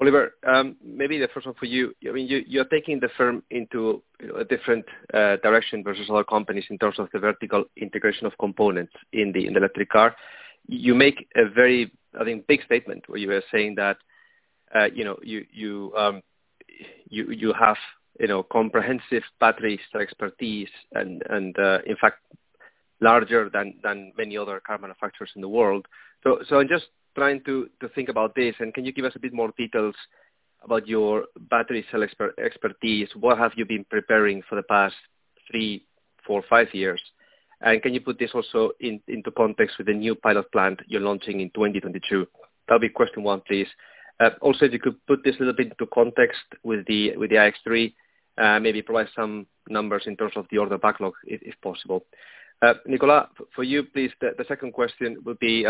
Oliver, maybe the first one for you. You're taking the firm into a different direction versus other companies in terms of the vertical integration of components in the electric car. You make a very, I think, big statement where you are saying that you have comprehensive battery cell expertise and in fact, larger than many other car manufacturers in the world. I'm just trying to think about this, and can you give us a bit more details about your battery cell expertise? What have you been preparing for the past three, four, five years? Can you put this also into context with the new pilot plant you're launching in 2022? That'll be question one, please. If you could put this a little bit into context with the iX3, maybe provide some numbers in terms of the order backlog, if possible. Nicolas, for you, please, the second question would be,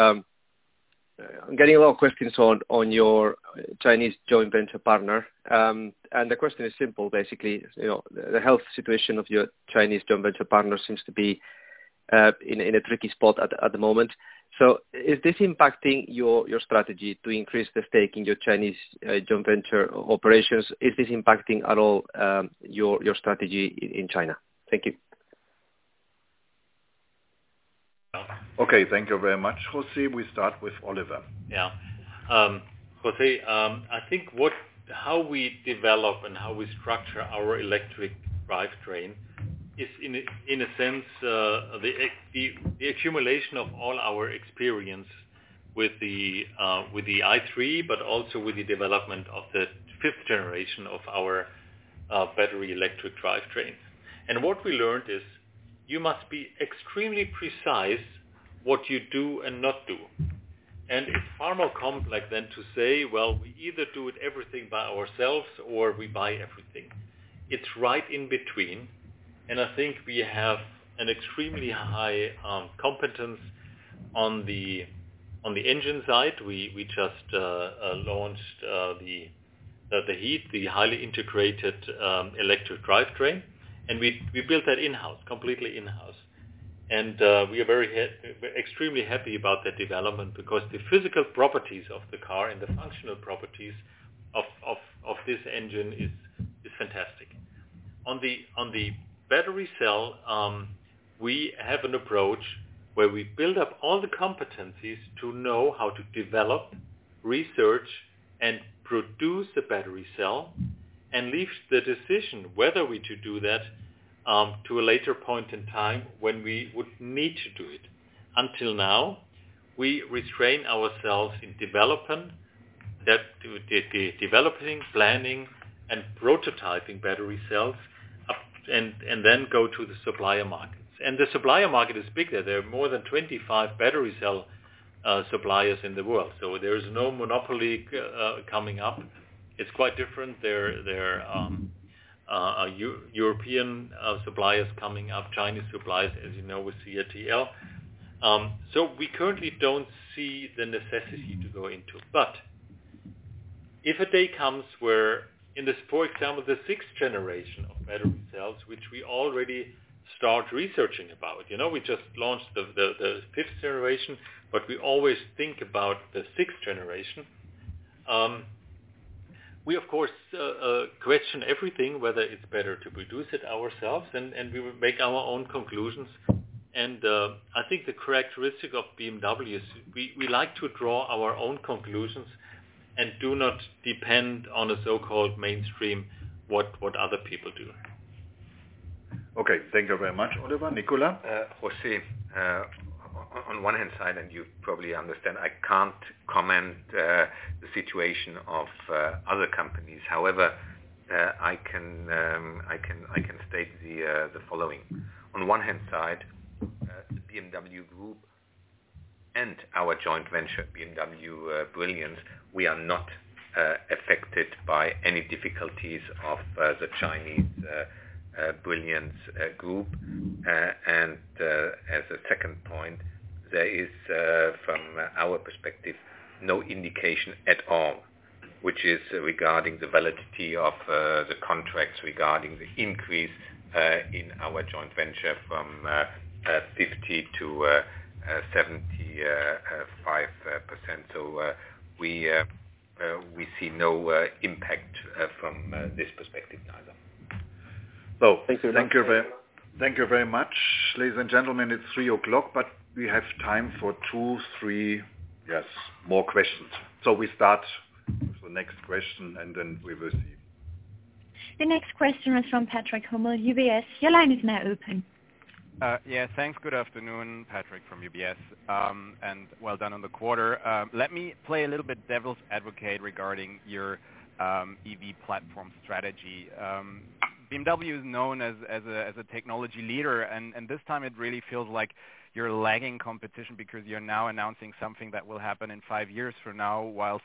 I'm getting a lot of questions on your Chinese joint venture partner. The question is simple, basically, the health situation of your Chinese joint venture partner seems to be in a tricky spot at the moment. Is this impacting your strategy to increase the stake in your Chinese joint venture operations? Is this impacting at all your strategy in China? Thank you. Okay. Thank you very much, José. We start with Oliver. Yeah. José, I think how we develop and how we structure our electric drivetrain is in a sense, the accumulation of all our experience with the i3, but also with the development of the fifth Generation of our battery electric drivetrains. What we learned is you must be extremely precise what you do and not do. It's far more complex than to say, "Well, we either do it everything by ourselves or we buy everything." It's right in between, and I think we have an extremely high competence on the engine side. We just launched the HEAT, the Highly Integrated Electric Drivetrain. We built that in-house, completely in-house. We are extremely happy about that development because the physical properties of the car and the functional properties of this engine is fantastic. On the battery cell, we have an approach where we build up all the competencies to know how to develop, research, and produce the battery cell, and leave the decision whether we to do that to a later point in time when we would need to do it. Until now, we retrain ourselves in development, the developing, planning, and prototyping battery cells, and then go to the supplier markets. The supplier market is bigger. There are more than 25 battery cell suppliers in the world, there is no monopoly coming up. It's quite different. There are European suppliers coming up, Chinese suppliers, as you know, with CATL. We currently don't see the necessity to go into it. If a day comes where in the, for example, the sixth Generation of battery cells, which we already start researching about. We just launched the fifth Generation, but we always think about the sixth Generation. We, of course, question everything, whether it is better to produce it ourselves, and we will make our own conclusions. I think the characteristic of BMW is we like to draw our own conclusions and do not depend on a so-called mainstream, what other people do. Okay. Thank you very much, Oliver. Nicolas. José, on one hand side, and you probably understand, I cannot comment the situation of other companies. However, I can state the following. On one hand side, the BMW Group and our joint venture, BMW Brilliance, we are not affected by any difficulties of the Chinese Brilliance Group. As a second point, there is, from our perspective, no indication at all, which is regarding the validity of the contracts regarding the increase in our joint venture from 50% to 75%. We see no impact from this perspective either. Thank you very much. Ladies and gentlemen, it's three o'clock, but we have time for two, three, yes, more questions. We start with the next question, and then we will see. The next question is from Patrick Hummel, UBS. Your line is now open. Yeah, thanks. Good afternoon, Patrick from UBS. Well done on the quarter. Let me play a little bit devil's advocate regarding your EV platform strategy. BMW is known as a technology leader, and this time it really feels like you're lagging competition because you're now announcing something that will happen in five years from now, while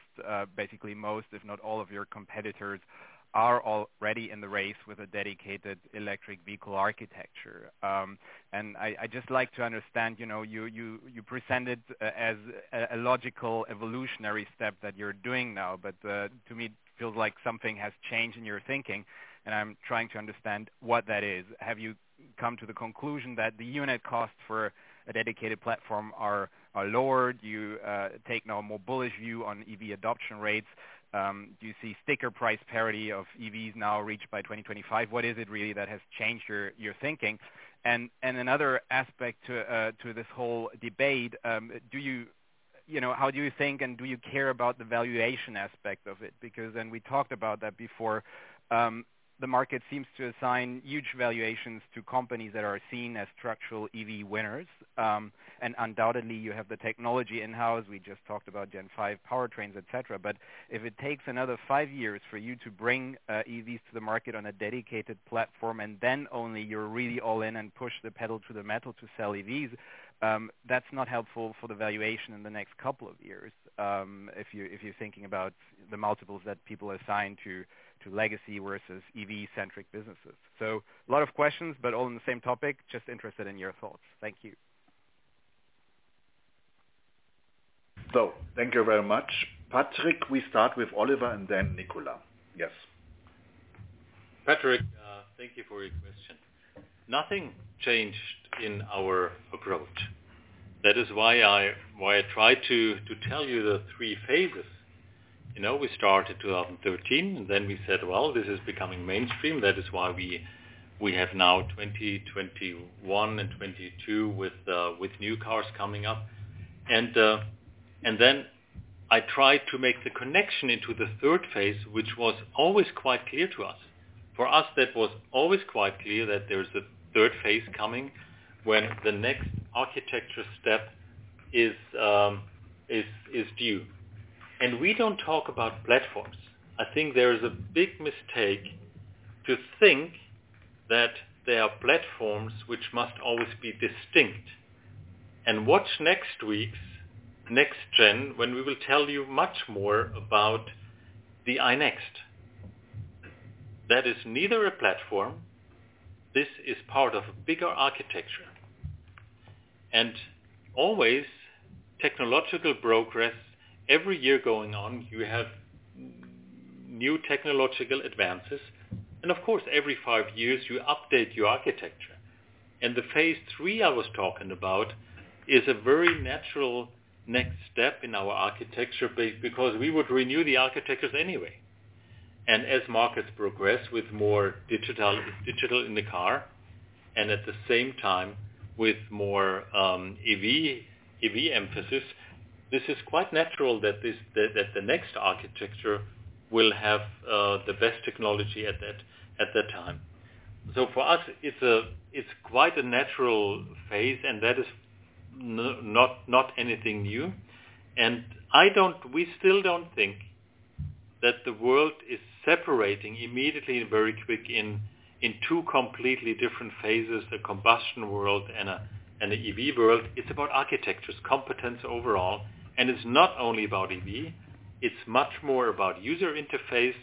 basically most, if not all of your competitors are already in the race with a dedicated electric vehicle architecture. I just like to understand, you present it as a logical evolutionary step that you're doing now, but to me it feels like something has changed in your thinking, and I'm trying to understand what that is. Have you come to the conclusion that the unit costs for a dedicated platform are lower? Do you take now a more bullish view on EV adoption rates? Do you see sticker price parity of EVs now reached by 2025? What is it really that has changed your thinking? Another aspect to this whole debate, how do you think, and do you care about the valuation aspect of it? Because, we talked about that before, the market seems to assign huge valuations to companies that are seen as structural EV winners. Undoubtedly, you have the technology in-house. We just talked about Gen5 powertrains, et cetera. If it takes another five years for you to bring EVs to the market on a dedicated platform, and then only you're really all-in and push the pedal to the metal to sell EVs, that's not helpful for the valuation in the next couple of years, if you're thinking about the multiples that people assign to legacy versus EV-centric businesses. A lot of questions, but all on the same topic. Just interested in your thoughts. Thank you. Thank you very much, Patrick. We start with Oliver and then Nicolas. Yes. Patrick, thank you for your question. Nothing changed in our approach. That is why I tried to tell you the three phases. We started 2013, and then we said, Well, this is becoming mainstream. That is why we have now 2020, 2021, and 2022 with new cars coming up. I tried to make the connection into the third phase, which was always quite clear to us. For us, that was always quite clear that there is a third phase coming when the next architecture step is due. We don't talk about platforms. I think there is a big mistake to think that there are platforms which must always be distinct. Watch next week's NextGen, when we will tell you much more about the iNEXT. That is neither a platform. This is part of a bigger architecture. Always technological progress every year going on, you have new technological advances, of course, every five years you update your architecture. The phase III I was talking about is a very natural next step in our architecture because we would renew the architectures anyway. As markets progress with more digital in the car, at the same time with more EV emphasis, this is quite natural that the next architecture will have the best technology at that time. For us, it's quite a natural phase, that is not anything new. We still don't think that the world is separating immediately and very quick in two completely different phases, the combustion world and the EV world. It's about architectures, competence overall. It's not only about EV, it's much more about user interface,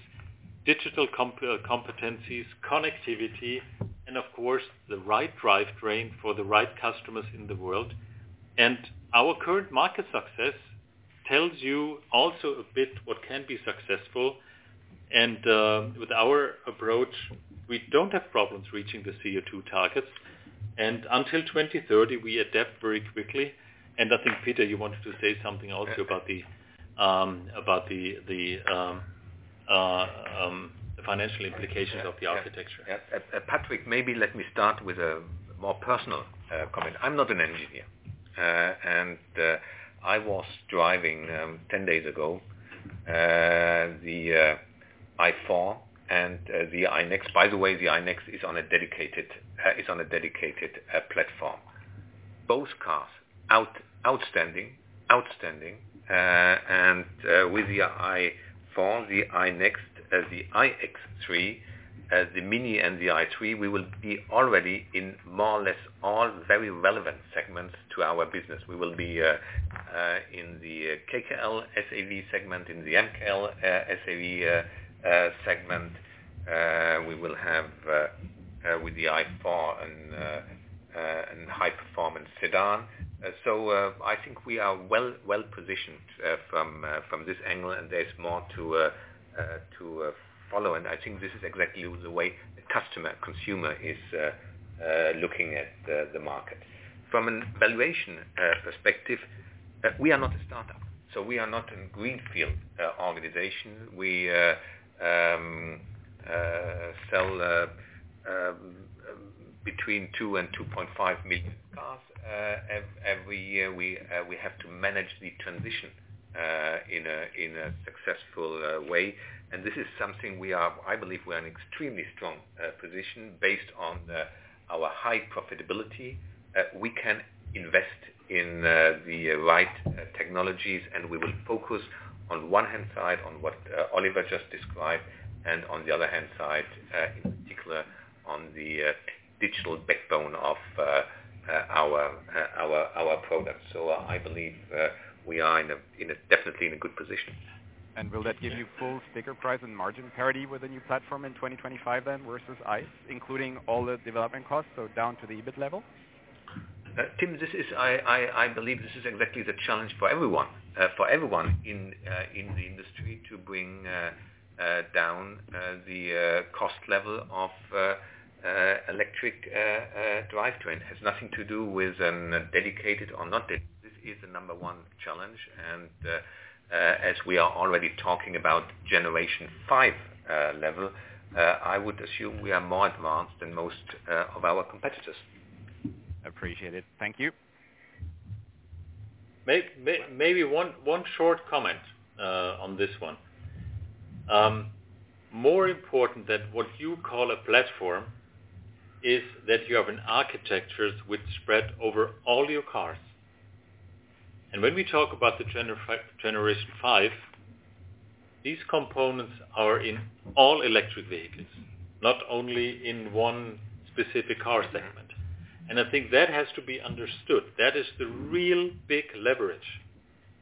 digital competencies, connectivity, and of course, the right drivetrain for the right customers in the world. Our current market success tells you also a bit what can be successful. With our approach, we don't have problems reaching the CO2 targets. Until 2030, we adapt very quickly. I think, Peter, you wanted to say something also about the financial implications of the architecture. Yes. Patrick, maybe let me start with a more personal comment. I am not an engineer. I was driving 10 days ago, the i4 and the BMW iNEXT. By the way, the BMW iNEXT is on a dedicated platform. Both cars, outstanding. With the i4, the BMW iNEXT, the BMW iX3, the MINI, and the BMW i3, we will be already in more or less all very relevant segments to our business. We will be in the KKL SAV segment, in the MKL SAV segment. We will have with the i4 a high performance sedan. I think we are well positioned from this angle, and there is more to follow. I think this is exactly the way the consumer is looking at the market. From an valuation perspective, we are not a startup. We are not a greenfield organization. We sell between 2 and 2.5 million cars every year. We have to manage the transition in a successful way. This is something we are, I believe, we're in extremely strong position based on our high profitability. We can invest in the right technologies, and we will focus on one hand side on what Oliver just described, and on the other hand side, in particular, on the digital backbone of our products. I believe we are definitely in a good position. Will that give you full sticker price and margin parity with the new platform in 2025 then, versus ICE, including all the development costs, so down to the EBIT level? Patrick, I believe this is exactly the challenge for everyone in the industry to bring down the cost level of electric drivetrain. It has nothing to do with dedicated or not dedicated. This is the number one challenge. As we are already talking about Generation 5 level, I would assume we are more advanced than most of our competitors. Appreciate it. Thank you. Maybe one short comment on this one. More important than what you call a platform is that you have an architectures which spread over all your cars. When we talk about the Generation 5, these components are in all electric vehicles, not only in one specific car segment. I think that has to be understood. That is the real big leverage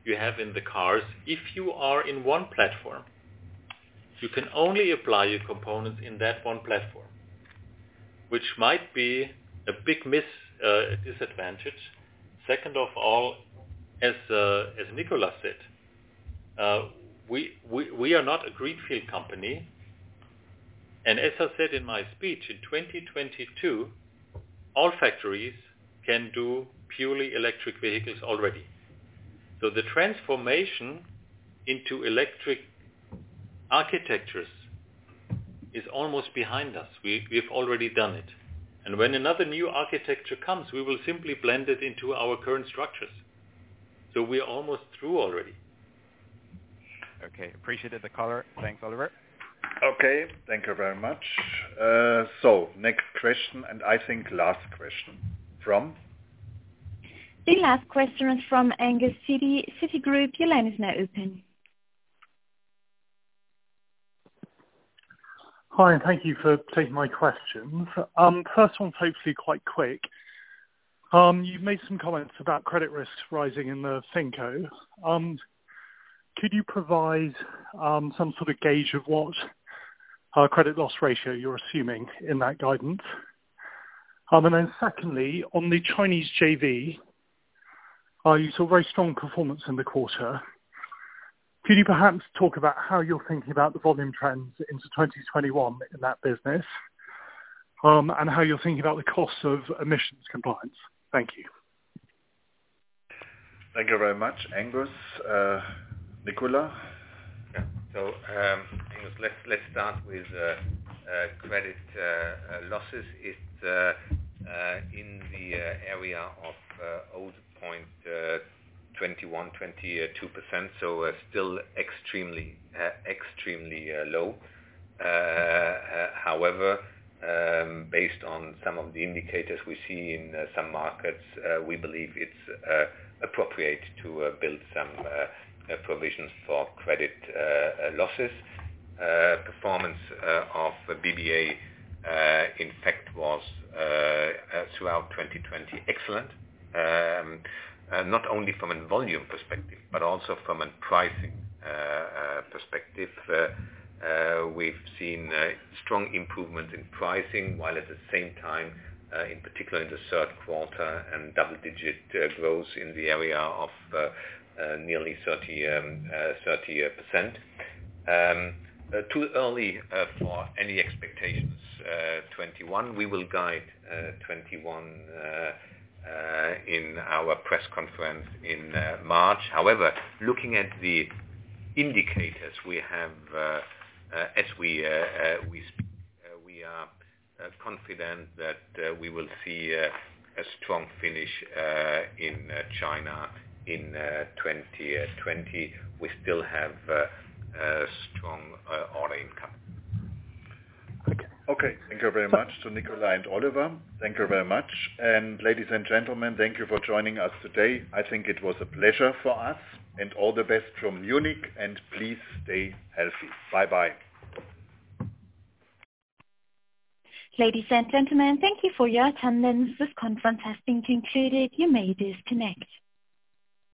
you have in the cars. If you are in one platform, you can only apply your components in that one platform, which might be a big disadvantage. Second of all, as Nicolas said, we are not a greenfield company. As I said in my speech, in 2022, all factories can do purely electric vehicles already. The transformation into electric architectures is almost behind us. We've already done it. When another new architecture comes, we will simply blend it into our current structures. We are almost through already. Okay. Appreciate the color. Thanks, Oliver. Okay. Thank you very much. Next question, and I think last question from? The last question is from Angus Tweedie, Citigroup. Your line is now open. Hi, and thank you for taking my questions. First one's hopefully quite quick. You've made some comments about credit risks rising in the FinCo. Could you provide some sort of gauge of what credit loss ratio you're assuming in that guidance? Secondly, on the Chinese JV, you saw very strong performance in the quarter. Could you perhaps talk about how you're thinking about the volume trends into 2021 in that business, and how you're thinking about the cost of emissions compliance? Thank you. Thank you very much, Angus. Nicola? Yeah. Angus, let's start with credit losses. It's in the area of 0.21%, 22%, still extremely low. Based on some of the indicators we see in some markets, we believe it's appropriate to build some provisions for credit losses. Performance of BBA, in fact, was, throughout 2020, excellent. Not only from a volume perspective, but also from a pricing perspective. We've seen a strong improvement in pricing, while at the same time, in particular in the third quarter, in double-digit growth in the area of nearly 30%. Too early for any expectations 2021. We will guide 2021 in our press conference in March. Looking at the indicators we have, as we speak, we are confident that we will see a strong finish in China in 2020. We still have strong order income. Okay. Thank you very much to Nicolas and Oliver. Thank you very much. Ladies and gentlemen, thank you for joining us today. I think it was a pleasure for us, and all the best from Munich, and please stay healthy. Bye-bye. Ladies and gentlemen, thank you for your attendance. This conference has been concluded. You may disconnect.